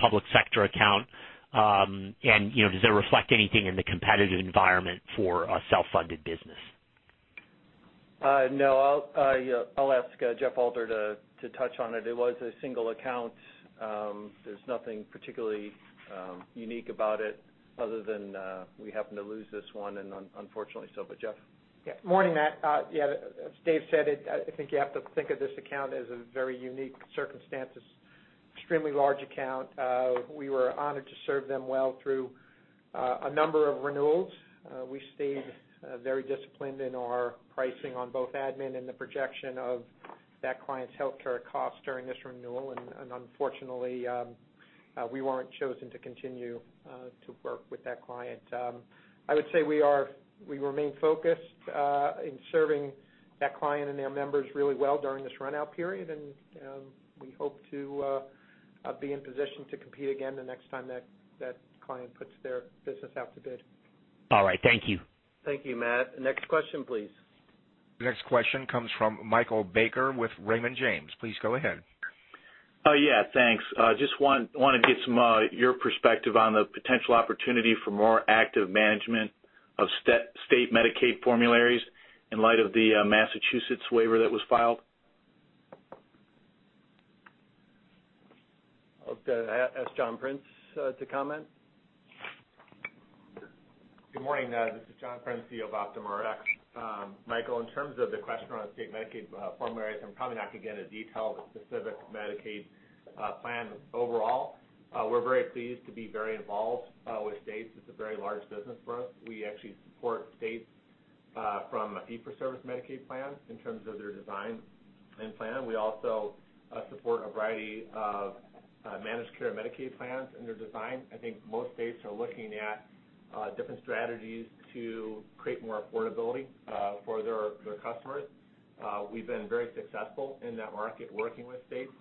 public sector account, and does that reflect anything in the competitive environment for a self-funded business? No. I'll ask Jeff Alter to touch on it. It was a single account. There's nothing particularly unique about it other than we happened to lose this one and unfortunately so, Jeff? Morning, Matt. As Dave said, I think you have to think of this account as a very unique circumstance. Extremely large account. We were honored to serve them well through a number of renewals. We stayed very disciplined in our pricing on both admin and the projection of that client's healthcare costs during this renewal. Unfortunately, we weren't chosen to continue to work with that client. I would say we remain focused in serving that client and their members really well during this run-out period. We hope to be in position to compete again the next time that client puts their business out to bid. All right. Thank you. Thank you, Matt. Next question, please. Next question comes from Michael Baker with Raymond James. Please go ahead. Yeah, thanks. Just wanted to get your perspective on the potential opportunity for more active management of state Medicaid formularies in light of the Massachusetts waiver that was filed. I'll ask John Prince to comment. Good morning. This is John Prince, CEO of OptumRx. Michael, in terms of the question around state Medicaid formularies, I'm probably not going to get into detail of a specific Medicaid plan overall. We're very pleased to be very involved with states. It's a very large business for us. We actually support states from a fee-for-service Medicaid plan in terms of their design and plan. We also support a variety of managed care Medicaid plans in their design. I think most states are looking at different strategies to create more affordability for their customers. We've been very successful in that market, working with states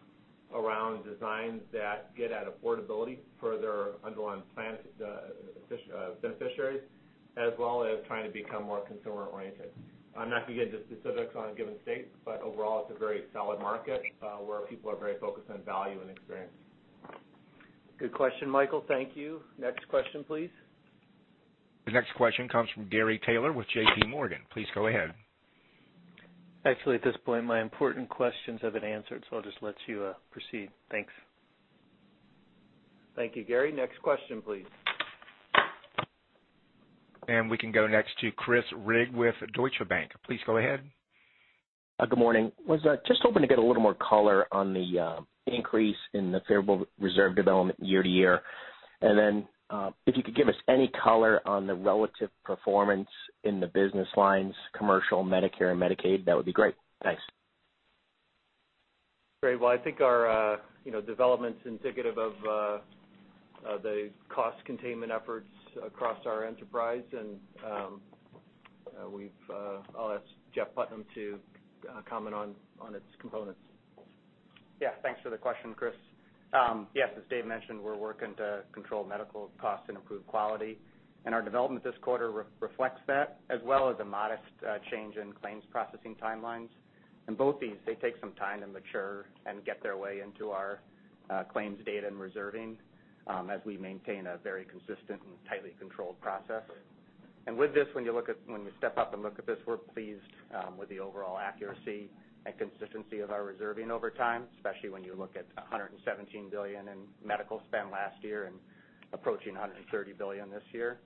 around designs that get at affordability for their underlying plan beneficiaries, as well as trying to become more consumer-oriented. Overall, it's a very solid market where people are very focused on value and experience. Good question, Michael. Thank you. Next question, please. The next question comes from Gary Taylor with JPMorgan. Please go ahead. Actually, at this point, my important questions have been answered. I'll just let you proceed. Thanks. Thank you, Gary. Next question, please. We can go next to Chris Rigg with Deutsche Bank. Please go ahead. Good morning. Was just hoping to get a little more color on the increase in the favorable reserve development year-to-year. If you could give us any color on the relative performance in the business lines, commercial Medicare and Medicaid, that would be great. Thanks. Great. Well, I think our development's indicative of the cost containment efforts across our enterprise. I'll ask Jeff Putnam to comment on its components. Yeah. Thanks for the question, Chris. Yes, as Dave mentioned, we're working to control medical costs and improve quality. Our development this quarter reflects that, as well as a modest change in claims processing timelines. Both these, they take some time to mature and get their way into our claims data and reserving as we maintain a very consistent and tightly controlled process. With this, when you step up and look at this, we're pleased with the overall accuracy and consistency of our reserving over time, especially when you look at $117 billion in medical spend last year and approaching $130 billion this year.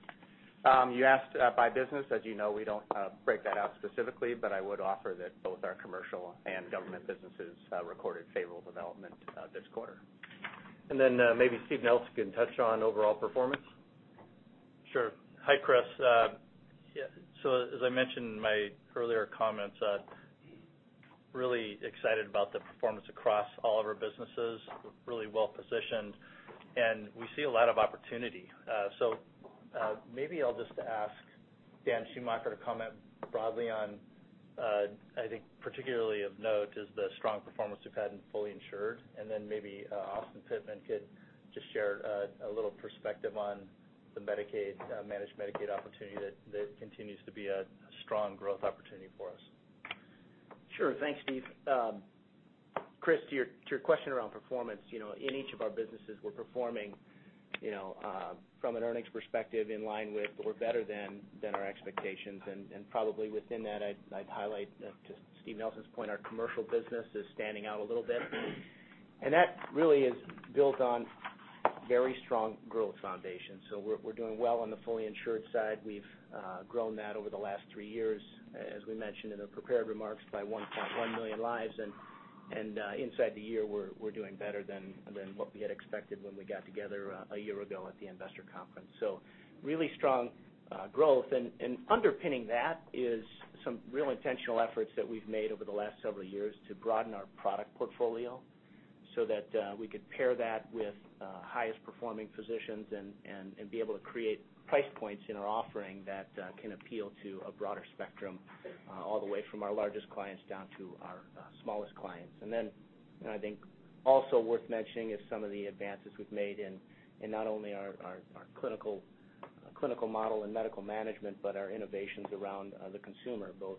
You asked by business. As you know, we don't break that out specifically, but I would offer that both our commercial and government businesses recorded favorable development this quarter. Maybe Steve Nelson can touch on overall performance. Sure. Hi, Chris. As I mentioned in my earlier comments, we are really excited about the performance across all of our businesses. We're really well-positioned, and we see a lot of opportunity. Maybe I'll just ask Daniel Schumacher to comment broadly on, I think particularly of note is the strong performance we've had in fully insured. Then Austin Pittman could just share a little perspective on the managed Medicaid opportunity that continues to be a strong growth opportunity for us. Sure. Thanks, Steve. Chris, to your question around performance, in each of our businesses, we're performing from an earnings perspective in line with or better than our expectations. Probably within that, I'd highlight, to Steve Nelson's point, our commercial business is standing out a little bit. That really is built on Very strong growth foundation. We're doing well on the fully insured side. We've grown that over the last three years, as we mentioned in the prepared remarks, by 1.1 million lives. Inside the year, we're doing better than what we had expected when we got together a year ago at the investor conference. Really strong growth. Underpinning that is some real intentional efforts that we've made over the last several years to broaden our product portfolio so that we could pair that with highest performing physicians and be able to create price points in our offering that can appeal to a broader spectrum, all the way from our largest clients down to our smallest clients. I think also worth mentioning is some of the advances we've made in not only our clinical model and medical management, but our innovations around the consumer, both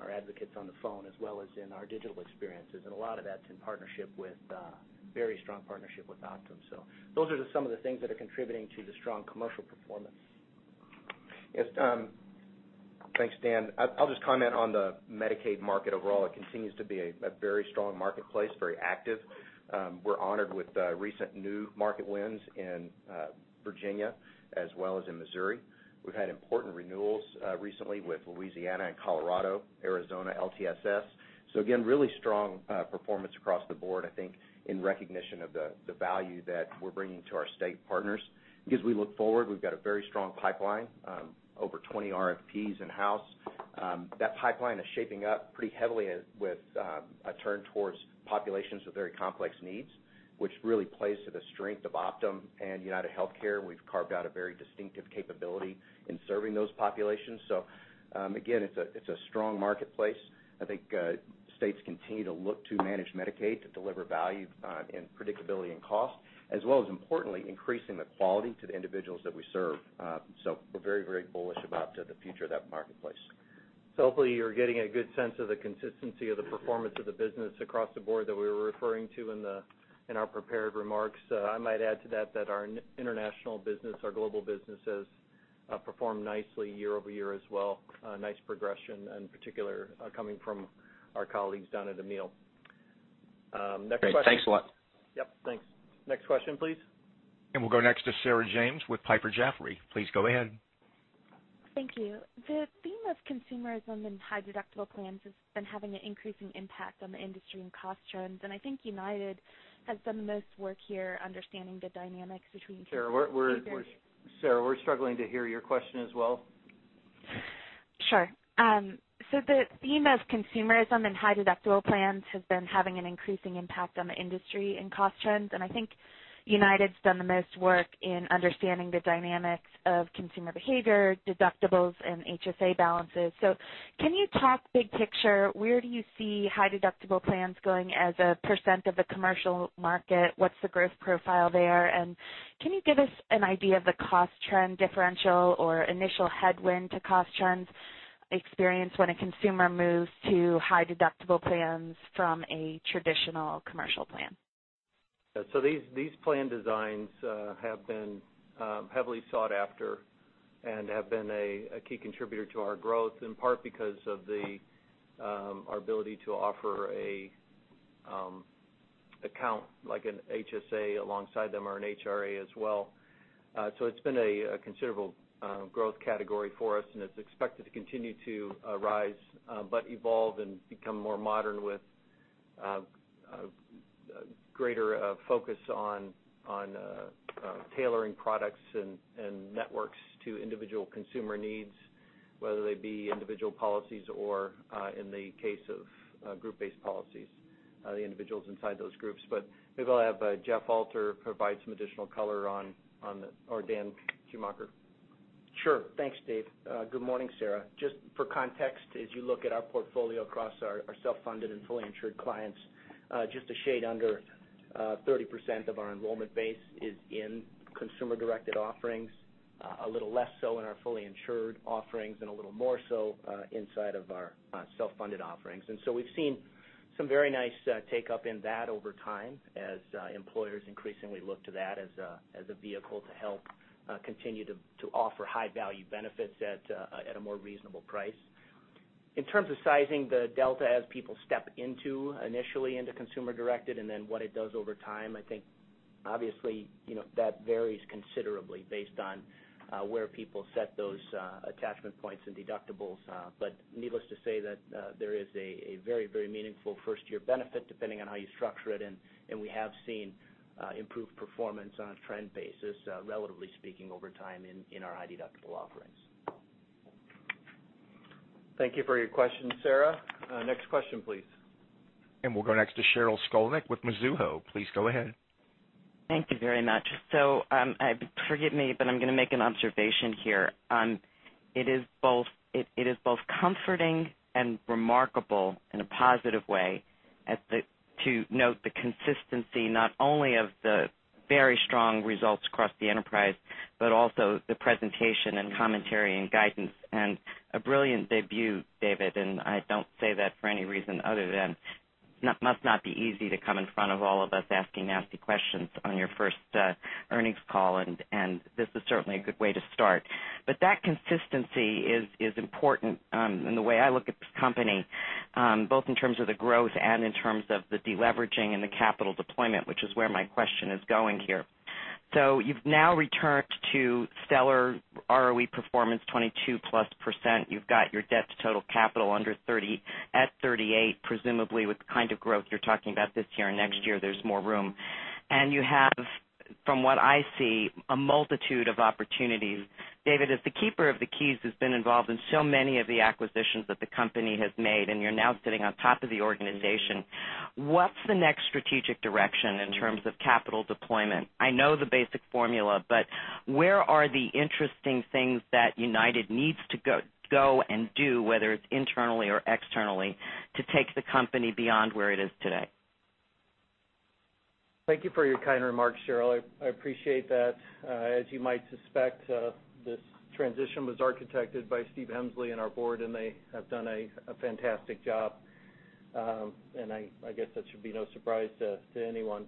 our advocates on the phone as well as in our digital experiences. A lot of that's in very strong partnership with Optum. Those are some of the things that are contributing to the strong commercial performance. Yes. Thanks, Dan. I'll just comment on the Medicaid market overall. It continues to be a very strong marketplace, very active. We're honored with recent new market wins in Virginia as well as in Missouri. We've had important renewals recently with Louisiana and Colorado, Arizona LTSS. Again, really strong performance across the board, I think, in recognition of the value that we're bringing to our state partners. As we look forward, we've got a very strong pipeline, over 20 RFPs in-house. That pipeline is shaping up pretty heavily with a turn towards populations with very complex needs, which really plays to the strength of Optum and UnitedHealthcare. We've carved out a very distinctive capability in serving those populations. Again, it's a strong marketplace. I think states continue to look to managed Medicaid to deliver value and predictability in cost, as well as importantly, increasing the quality to the individuals that we serve. We're very bullish about the future of that marketplace. Hopefully you're getting a good sense of the consistency of the performance of the business across the board that we were referring to in our prepared remarks. I might add to that our international business, our global business, has performed nicely year-over-year as well. A nice progression in particular coming from our colleagues down at Amil. Next question. Great. Thanks a lot. Yep, thanks. Next question, please. We'll go next to Sarah James with Piper Jaffray. Please go ahead. Thank you. The theme of consumerism and high deductible plans has been having an increasing impact on the industry and cost trends. I think United has done the most work here understanding the dynamics between- Sarah, we're struggling to hear your question as well. Sure. The theme of consumerism and high deductible plans has been having an increasing impact on the industry and cost trends, and I think United's done the most work in understanding the dynamics of consumer behavior, deductibles, and HSA balances. Can you talk big picture? Where do you see high deductible plans going as a % of the commercial market? What's the growth profile there? Can you give us an idea of the cost trend differential or initial headwind to cost trends experienced when a consumer moves to high deductible plans from a traditional commercial plan? These plan designs have been heavily sought after and have been a key contributor to our growth, in part because of our ability to offer an account like an HSA alongside them or an HRA as well. It's been a considerable growth category for us, and it's expected to continue to rise, but evolve and become more modern with a greater focus on tailoring products and networks to individual consumer needs, whether they be individual policies or, in the case of group-based policies, the individuals inside those groups. Maybe I'll have Jeff Alter provide some additional color on or Daniel Schumacher. Sure. Thanks, Dave. Good morning, Sarah. Just for context, as you look at our portfolio across our self-funded and fully insured clients, just a shade under 30% of our enrollment base is in consumer-directed offerings. A little less so in our fully insured offerings and a little more so inside of our self-funded offerings. We've seen some very nice take-up in that over time as employers increasingly look to that as a vehicle to help continue to offer high-value benefits at a more reasonable price. In terms of sizing the delta as people step into, initially into consumer directed, and then what it does over time, I think obviously, that varies considerably based on where people set those attachment points and deductibles. Needless to say that there is a very meaningful first-year benefit depending on how you structure it, and we have seen improved performance on a trend basis, relatively speaking, over time in our high deductible offerings. Thank you for your question, Sarah. Next question, please. We'll go next to Sheryl Skolnick with Mizuho. Please go ahead. Thank you very much. Forgive me, but I'm going to make an observation here. It is both comforting and remarkable in a positive way to note the consistency, not only of the very strong results across the enterprise, but also the presentation and commentary and guidance, a brilliant debut, David, I don't say that for any reason other than must not be easy to come in front of all of us asking nasty questions on your first earnings call, and this is certainly a good way to start. That consistency is important in the way I look at this company. Both in terms of the growth and in terms of the deleveraging and the capital deployment, which is where my question is going here. You've now returned to stellar ROE performance, 22+%. You've got your debt to total capital under 30, at 38, presumably with the kind of growth you're talking about this year and next year, there's more room. You have, from what I see, a multitude of opportunities. David, as the keeper of the keys, has been involved in so many of the acquisitions that the company has made, and you're now sitting on top of the organization. What's the next strategic direction in terms of capital deployment? I know the basic formula, but where are the interesting things that United needs to go and do, whether it's internally or externally, to take the company beyond where it is today? Thank you for your kind remarks, Sheryl. I appreciate that. As you might suspect, this transition was architected by Steve Hemsley and our board. They have done a fantastic job. I guess that should be no surprise to anyone.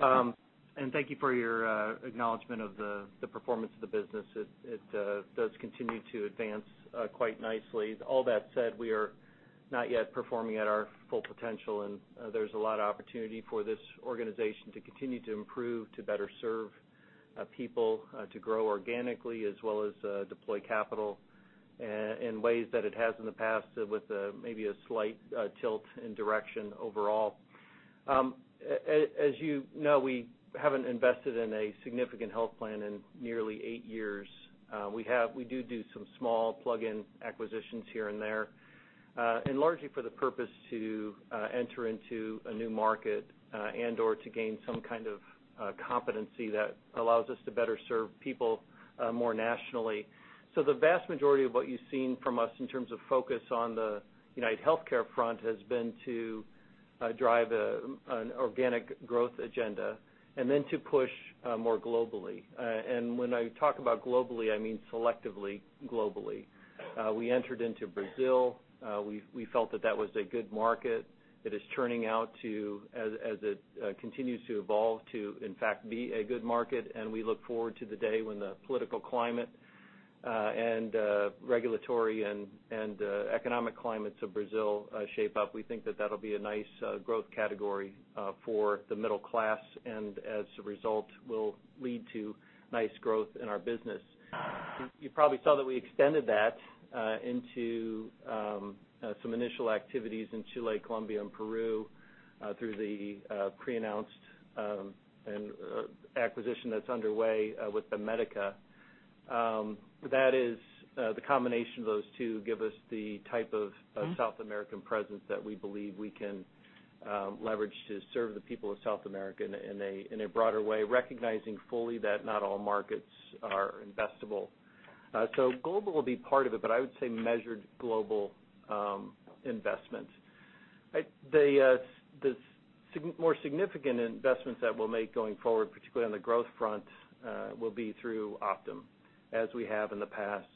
Thank you for your acknowledgement of the performance of the business. It does continue to advance quite nicely. All that said, we are not yet performing at our full potential. There's a lot of opportunity for this organization to continue to improve, to better serve people, to grow organically, as well as deploy capital in ways that it has in the past with maybe a slight tilt in direction overall. As you know, we haven't invested in a significant health plan in nearly eight years. We do some small plug-in acquisitions here and there. Largely for the purpose to enter into a new market and/or to gain some kind of competency that allows us to better serve people more nationally. The vast majority of what you've seen from us in terms of focus on the UnitedHealthcare front has been to drive an organic growth agenda. Then to push more globally. When I talk about globally, I mean selectively globally. We entered into Brazil. We felt that that was a good market. It is turning out to, as it continues to evolve, to in fact be a good market. We look forward to the day when the political climate and regulatory and economic climates of Brazil shape up. We think that that'll be a nice growth category for the middle class. As a result, will lead to nice growth in our business. You probably saw that we extended that into some initial activities in Chile, Colombia, and Peru through the pre-announced acquisition that's underway with the Banmédica. The combination of those two give us the type of South American presence that we believe we can leverage to serve the people of South America in a broader way, recognizing fully that not all markets are investable. Global will be part of it, but I would say measured global investment. The more significant investments that we'll make going forward, particularly on the growth front, will be through Optum, as we have in the past.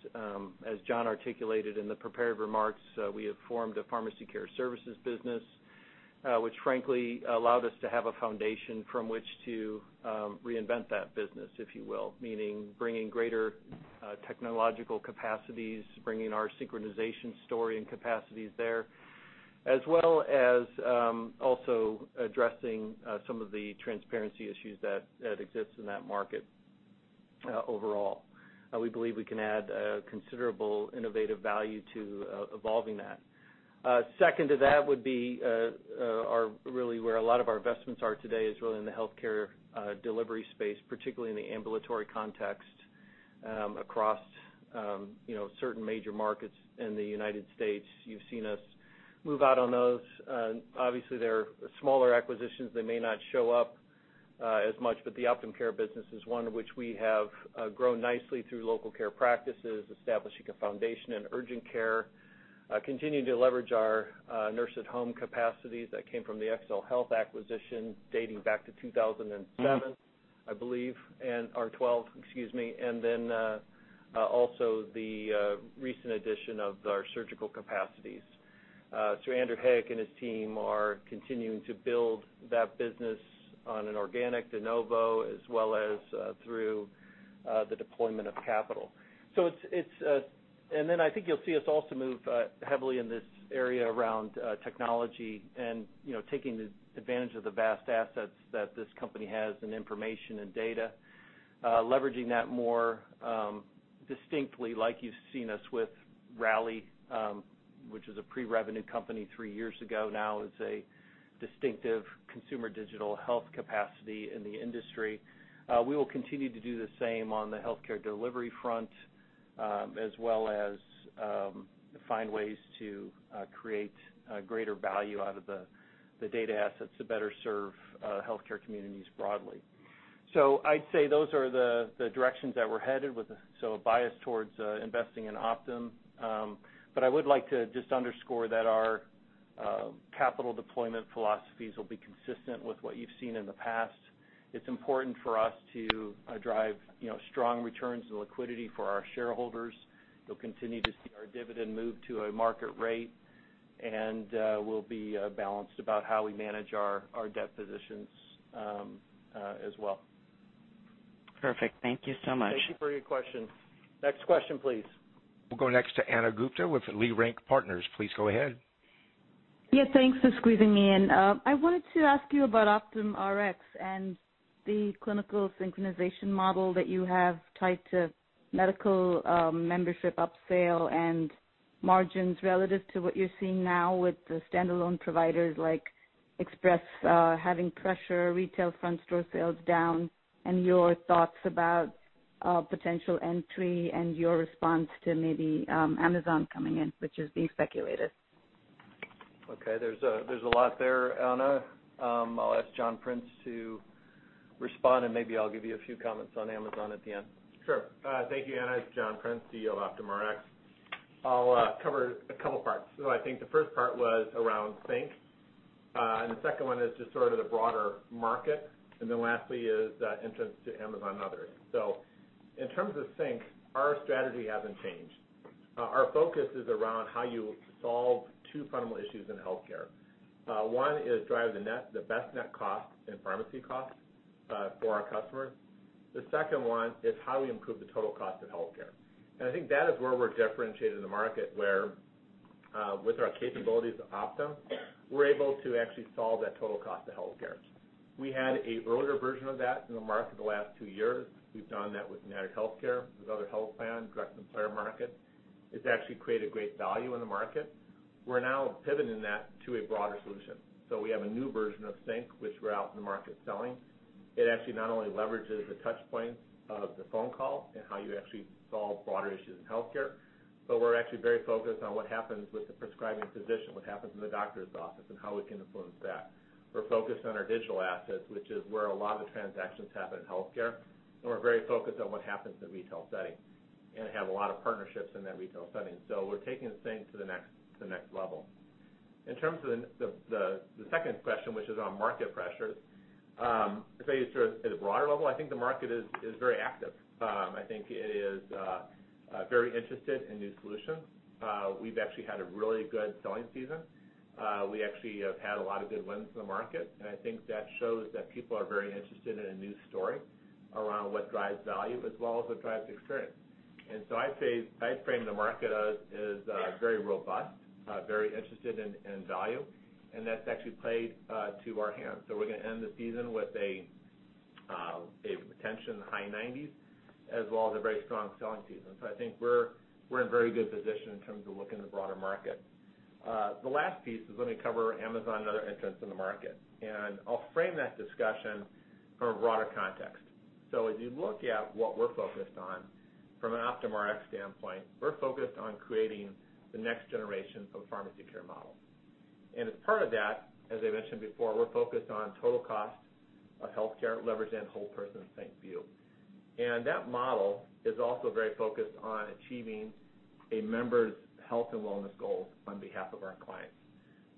As John articulated in the prepared remarks, we have formed a pharmacy care services business, which frankly allowed us to have a foundation from which to reinvent that business, if you will, meaning bringing greater technological capacities, bringing our synchronization story and capacities there, as well as also addressing some of the transparency issues that exist in that market overall. We believe we can add considerable innovative value to evolving that. Second to that would be really where a lot of our investments are today is really in the healthcare delivery space, particularly in the ambulatory context across certain major markets in the U.S. You've seen us move out on those. They're smaller acquisitions that may not show up as much, but the Optum Care business is one which we have grown nicely through local care practices, establishing a foundation in urgent care, continuing to leverage our nurse at home capacities that came from the XLHealth acquisition dating back to 2007, I believe, or 2012, excuse me, and then also the recent addition of our surgical capacities. Andrew Hayek and his team are continuing to build that business on an organic de novo as well as through the deployment of capital. I think you'll see us also move heavily in this area around technology and taking advantage of the vast assets that this company has in information and data, leveraging that more distinctly like you've seen us with Rally, which was a pre-revenue company three years ago, now is a distinctive consumer digital health capacity in the industry. We will continue to do the same on the healthcare delivery front as well as find ways to create greater value out of the data assets to better serve healthcare communities broadly. I'd say those are the directions that we're headed with, so a bias towards investing in Optum. I would like to just underscore that our capital deployment philosophies will be consistent with what you've seen in the past. It's important for us to drive strong returns and liquidity for our shareholders. You'll continue to see our dividend move to a market rate, and we'll be balanced about how we manage our debt positions as well. Perfect. Thank you so much. Thank you for your question. Next question, please. We'll go next to Ana Gupte with Leerink Partners. Please go ahead. Yeah, thanks for squeezing me in. I wanted to ask you about OptumRx and the clinical synchronization model that you have tied to medical membership up sale and margins relative to what you're seeing now with the standalone providers like Express, having pressure, retail front store sales down and your thoughts about potential entry and your response to maybe Amazon coming in, which is being speculated. Okay. There's a lot there, Ana. I'll ask John Prince to respond, and maybe I'll give you a few comments on Amazon at the end. Sure. Thank you, Ana Gupte. It's John Prince, CEO of OptumRx. I'll cover a couple parts. I think the first part was around sync, the second one is just sort of the broader market, lastly is entrance to Amazon and others. In terms of sync, our strategy hasn't changed. Our focus is around how you solve two fundamental issues in healthcare. One is drive the best net cost and pharmacy cost for our customers. The second one is how we improve the total cost of healthcare. I think that is where we're differentiated in the market, where, with our capabilities at Optum, we're able to actually solve that total cost of healthcare. We had a earlier version of that in the market the last two years. We've done that with UnitedHealthcare, with other health plans, direct to the employer market. It's actually created great value in the market. We're now pivoting that to a broader solution. We have a new version of sync, which we're out in the market selling. It actually not only leverages the touch point of the phone call and how you actually solve broader issues in healthcare, but we're actually very focused on what happens with the prescribing physician, what happens in the doctor's office, how we can influence that. We're focused on our digital assets, which is where a lot of the transactions happen in healthcare, we're very focused on what happens in the retail setting and have a lot of partnerships in that retail setting. We're taking the same to the next level. In terms of the second question, which is on market pressures, I'd say at a broader level, I think the market is very active. I think it is very interested in new solutions. We've actually had a really good selling season. We actually have had a lot of good wins in the market, I think that shows that people are very interested in a new story around what drives value as well as what drives experience. I'd frame the market as very robust, very interested in value, that's actually played to our hands. We're going to end the season with a retention in the high 90s as well as a very strong selling season. I think we're in very good position in terms of looking in the broader market. The last piece is, let me cover Amazon and other entrants in the market, I'll frame that discussion from a broader context. As you look at what we're focused on from an OptumRx standpoint, we're focused on creating the next generation of pharmacy care models. As part of that, as I mentioned before, we're focused on total cost of healthcare, leverage and whole person sync view. That model is also very focused on achieving a member's health and wellness goals on behalf of our clients.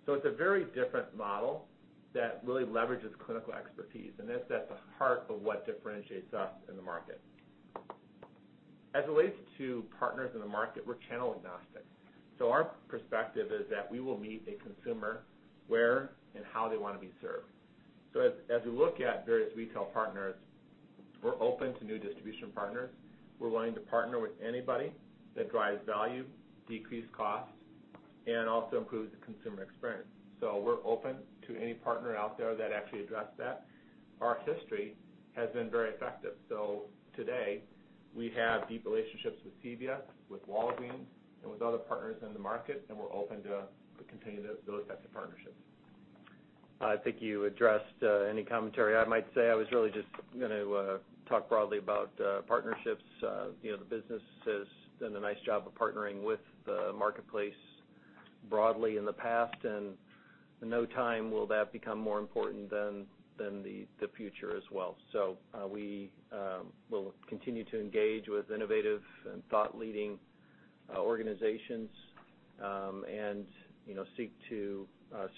It's a very different model that really leverages clinical expertise, that's at the heart of what differentiates us in the market. As it relates to partners in the market, we're channel agnostic. Our perspective is that we will meet a consumer where and how they want to be served. As we look at various retail partners, we're open to new distribution partners. We're willing to partner with anybody that drives value, decrease costs, also improves the consumer experience. We're open to any partner out there that actually address that. Our history has been very effective. Today, we have deep relationships with CVS, with Walgreens, and with other partners in the market, and we're open to continuing those types of partnerships. I think you addressed any commentary I might say. I was really just going to talk broadly about partnerships. The business has done a nice job of partnering with the marketplace broadly in the past, and in no time will that become more important than the future as well. We will continue to engage with innovative and thought-leading organizations, and seek to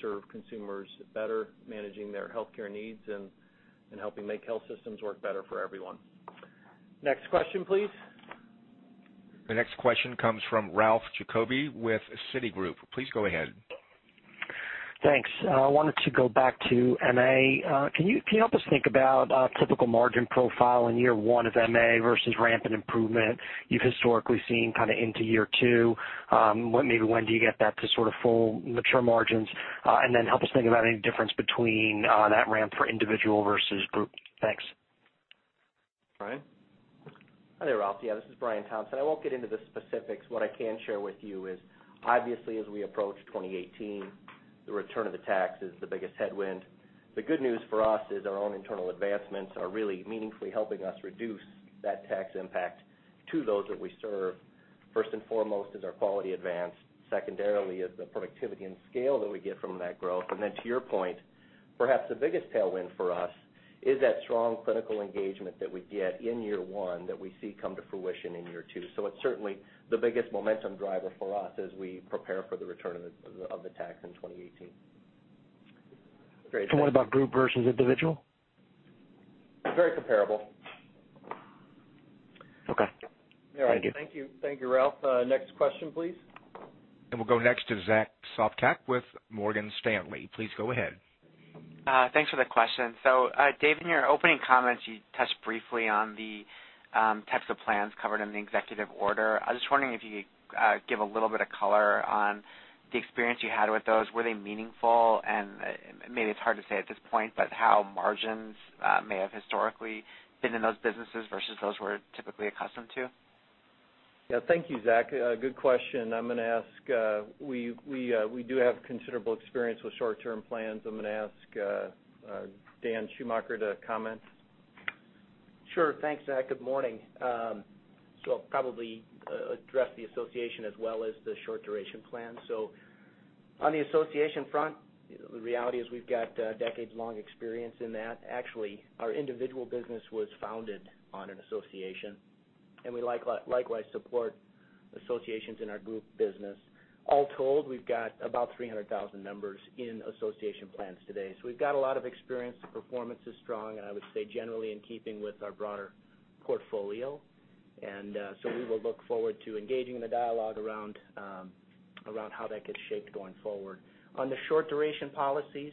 serve consumers better, managing their healthcare needs and helping make health systems work better for everyone. Next question, please. The next question comes from Ralph Giacobbe with Citigroup. Please go ahead. Thanks. I wanted to go back to MA. Can you help us think about typical margin profile in year one of MA versus ramp and improvement you've historically seen into year two? Maybe when do you get that to full mature margins? Then help us think about any difference between that ramp for individual versus group. Thanks. Brian? Hi there, Ralph. This is Brian Thompson. I won't get into the specifics. What I can share with you is, obviously, as we approach 2018, the return of the tax is the biggest headwind. The good news for us is our own internal advancements are really meaningfully helping us reduce that tax impact to those that we serve. First and foremost is our quality advance. Secondarily is the productivity and scale that we get from that growth. To your point, perhaps the biggest tailwind for us is that strong clinical engagement that we get in year one that we see come to fruition in year two. It's certainly the biggest momentum driver for us as we prepare for the return of the tax in 2018. Great. What about group versus individual? Very comparable. All right. Thank you, Ralph. Next question, please. We'll go next to Zack Sopcak with Morgan Stanley. Please go ahead. Thanks for the question. Dave, in your opening comments, you touched briefly on the types of plans covered in the Executive Order. I was just wondering if you could give a little bit of color on the experience you had with those. Were they meaningful? Maybe it's hard to say at this point, but how margins may have historically been in those businesses versus those we're typically accustomed to. Thank you, Zack. Good question. We do have considerable experience with short-term plans. I'm going to ask Daniel Schumacher to comment. Sure. Thanks, Zack. Good morning. I'll probably address the association as well as the short-duration plan. On the association front, the reality is we've got decades-long experience in that. Actually, our individual business was founded on an association, and we likewise support associations in our group business. All told, we've got about 300,000 members in association plans today. We've got a lot of experience. The performance is strong, and I would say generally in keeping with our broader portfolio. We will look forward to engaging in the dialogue around how that gets shaped going forward. On the short-duration policies,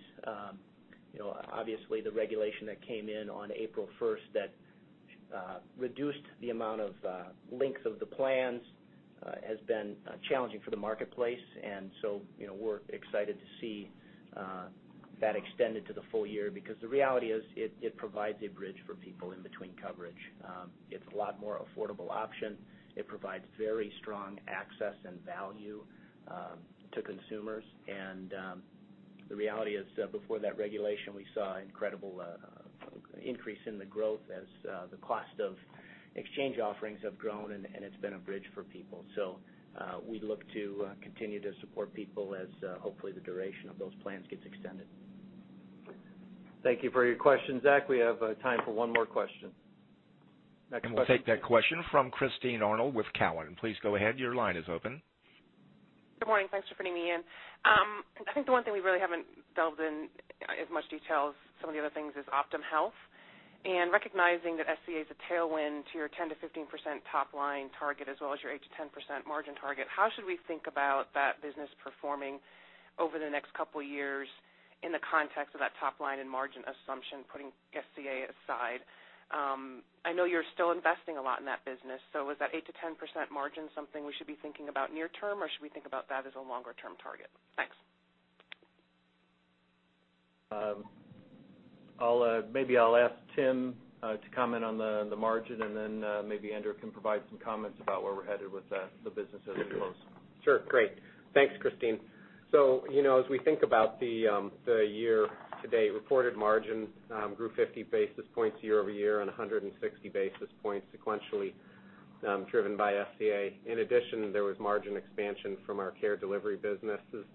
obviously the regulation that came in on April 1st that reduced the amount of length of the plans has been challenging for the marketplace. We're excited to see that extended to the full year because the reality is it provides a bridge for people in between coverage. It's a lot more affordable option. It provides very strong access and value to consumers. The reality is, before that regulation, we saw incredible increase in the growth as the cost of exchange offerings have grown, and it's been a bridge for people. We look to continue to support people as hopefully the duration of those plans gets extended. Thank you for your question, Zack. We have time for one more question. Next question. We'll take that question from Christine Arnold with Cowen. Please go ahead. Your line is open. Good morning. Thanks for putting me in. I think the one thing we really haven't delved in as much detail as some of the other things is OptumHealth. Recognizing that SCA is a tailwind to your 10%-15% top line target as well as your 8%-10% margin target, how should we think about that business performing over the next couple of years in the context of that top line and margin assumption, putting SCA aside? I know you're still investing a lot in that business, so is that 8%-10% margin something we should be thinking about near term, or should we think about that as a longer-term target? Thanks. Maybe I'll ask Tim to comment on the margin, and then maybe Andrew can provide some comments about where we're headed with the business as it grows. Sure. Great. Thanks, Christine. As we think about the year-to-date, reported margin grew 50 basis points year-over-year on 160 basis points sequentially, driven by SCA. In addition, there was margin expansion from our care delivery businesses,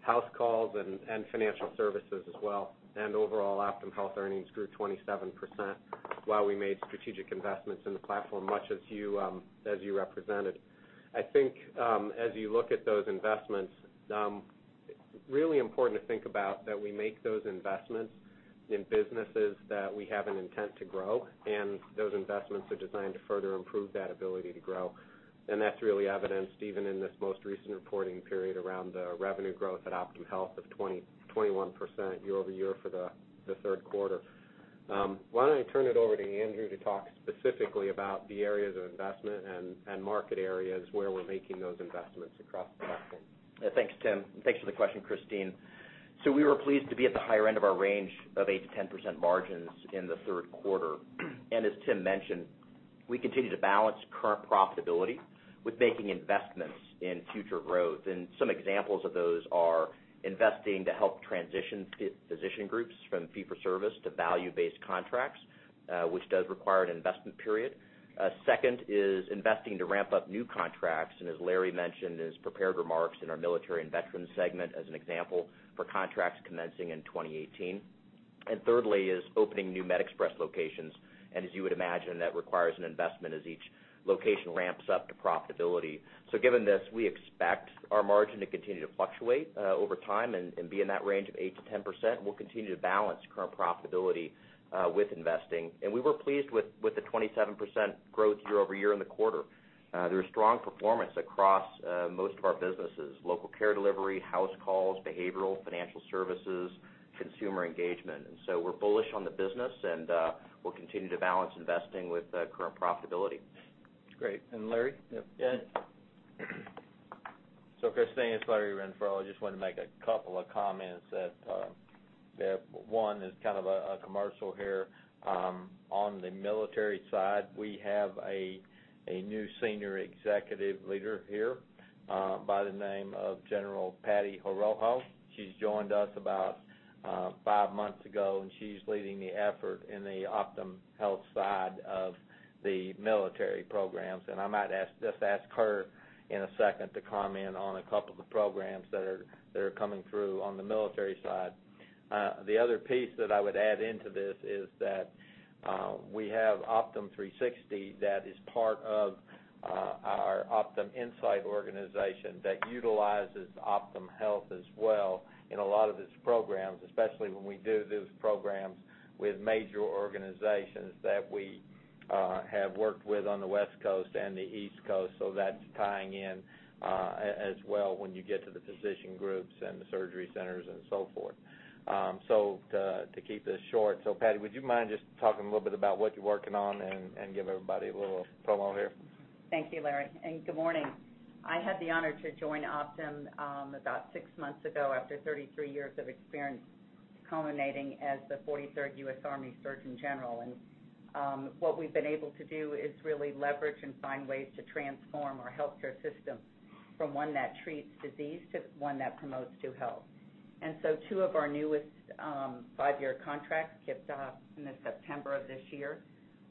house calls, and financial services as well. Overall OptumHealth earnings grew 27%, while we made strategic investments in the platform, much as you represented. I think as you look at those investments, really important to think about that we make those investments in businesses that we have an intent to grow, and those investments are designed to further improve that ability to grow. That's really evidenced even in this most recent reporting period around the revenue growth at OptumHealth of 21% year-over-year for the third quarter. Why don't I turn it over to Andrew to talk specifically about the areas of investment and market areas where we're making those investments across the platform? Thanks, Tim. Thanks for the question, Christine. We were pleased to be at the higher end of our range of 8%-10% margins in the third quarter. As Tim mentioned, we continue to balance current profitability with making investments in future growth. Some examples of those are investing to help transition physician groups from fee-for-service to value-based contracts, which does require an investment period. Second is investing to ramp up new contracts, and as Larry mentioned in his prepared remarks in our military and veteran segment as an example, for contracts commencing in 2018. Thirdly is opening new MedExpress locations. As you would imagine, that requires an investment as each location ramps up to profitability. Given this, we expect our margin to continue to fluctuate over time and be in that range of 8% to 10%, and we'll continue to balance current profitability with investing. We were pleased with the 27% growth year-over-year in the quarter. There was strong performance across most of our businesses, local care delivery, house calls, behavioral, financial services, consumer engagement. We're bullish on the business, and we'll continue to balance investing with current profitability. That's great. Larry? Yeah. Yeah. Christine, it's Larry Renfro. I just wanted to make a couple of comments that one is kind of a commercial here. On the military side, we have a new senior executive leader here by the name of General Patty Horoho. She's joined us about five months ago, and she's leading the effort in the OptumHealth side of the military programs. I might just ask her in a second to comment on a couple of the programs that are coming through on the military side. The other piece that I would add into this is that we have Optum360 that is part of Our OptumInsight organization that utilizes OptumHealth as well in a lot of its programs, especially when we do those programs with major organizations that we have worked with on the West Coast and the East Coast. That's tying in as well when you get to the physician groups and the surgery centers and so forth. To keep this short, Patty, would you mind just talking a little bit about what you're working on and give everybody a little promo here? Thank you, Larry, good morning. I had the honor to join Optum about six months ago after 33 years of experience, culminating as the 43rd U.S. Army Surgeon General. What we've been able to do is really leverage and find ways to transform our healthcare system from one that treats disease to one that promotes true health. Two of our newest five-year contracts kicked off in September of this year.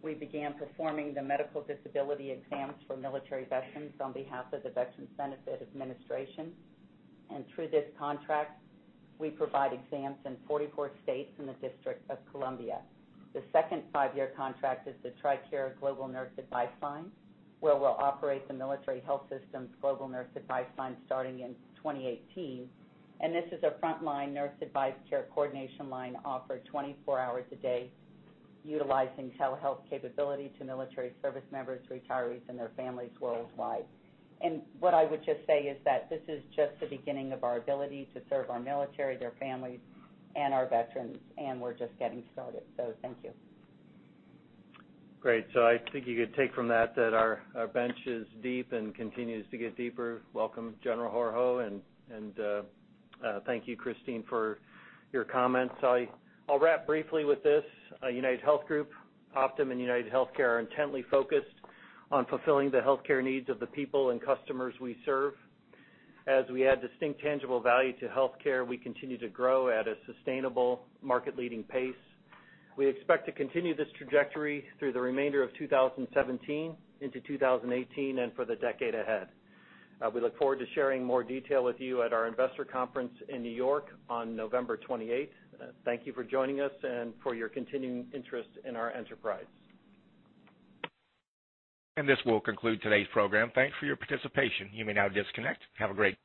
We began performing the medical disability exams for military veterans on behalf of the Veterans Benefits Administration. Through this contract, we provide exams in 44 states and the District of Columbia. The second five-year contract is the TRICARE Global Nurse Advice Line, where we'll operate the military health system's global nurse advice line starting in 2018. This is a frontline nurse advice care coordination line offered 24 hours a day, utilizing telehealth capability to military service members, retirees, and their families worldwide. What I would just say is that this is just the beginning of our ability to serve our military, their families, and our veterans, and we're just getting started. Thank you. Great. I think you could take from that our bench is deep and continues to get deeper. Welcome, General Horoho, and thank you, Christine, for your comments. I'll wrap briefly with this. UnitedHealth Group, Optum, and UnitedHealthcare are intently focused on fulfilling the healthcare needs of the people and customers we serve. As we add distinct tangible value to healthcare, we continue to grow at a sustainable market-leading pace. We expect to continue this trajectory through the remainder of 2017 into 2018 and for the decade ahead. We look forward to sharing more detail with you at our investor conference in New York on November 28th. Thank you for joining us and for your continuing interest in our enterprise. This will conclude today's program. Thanks for your participation. You may now disconnect. Have a great day.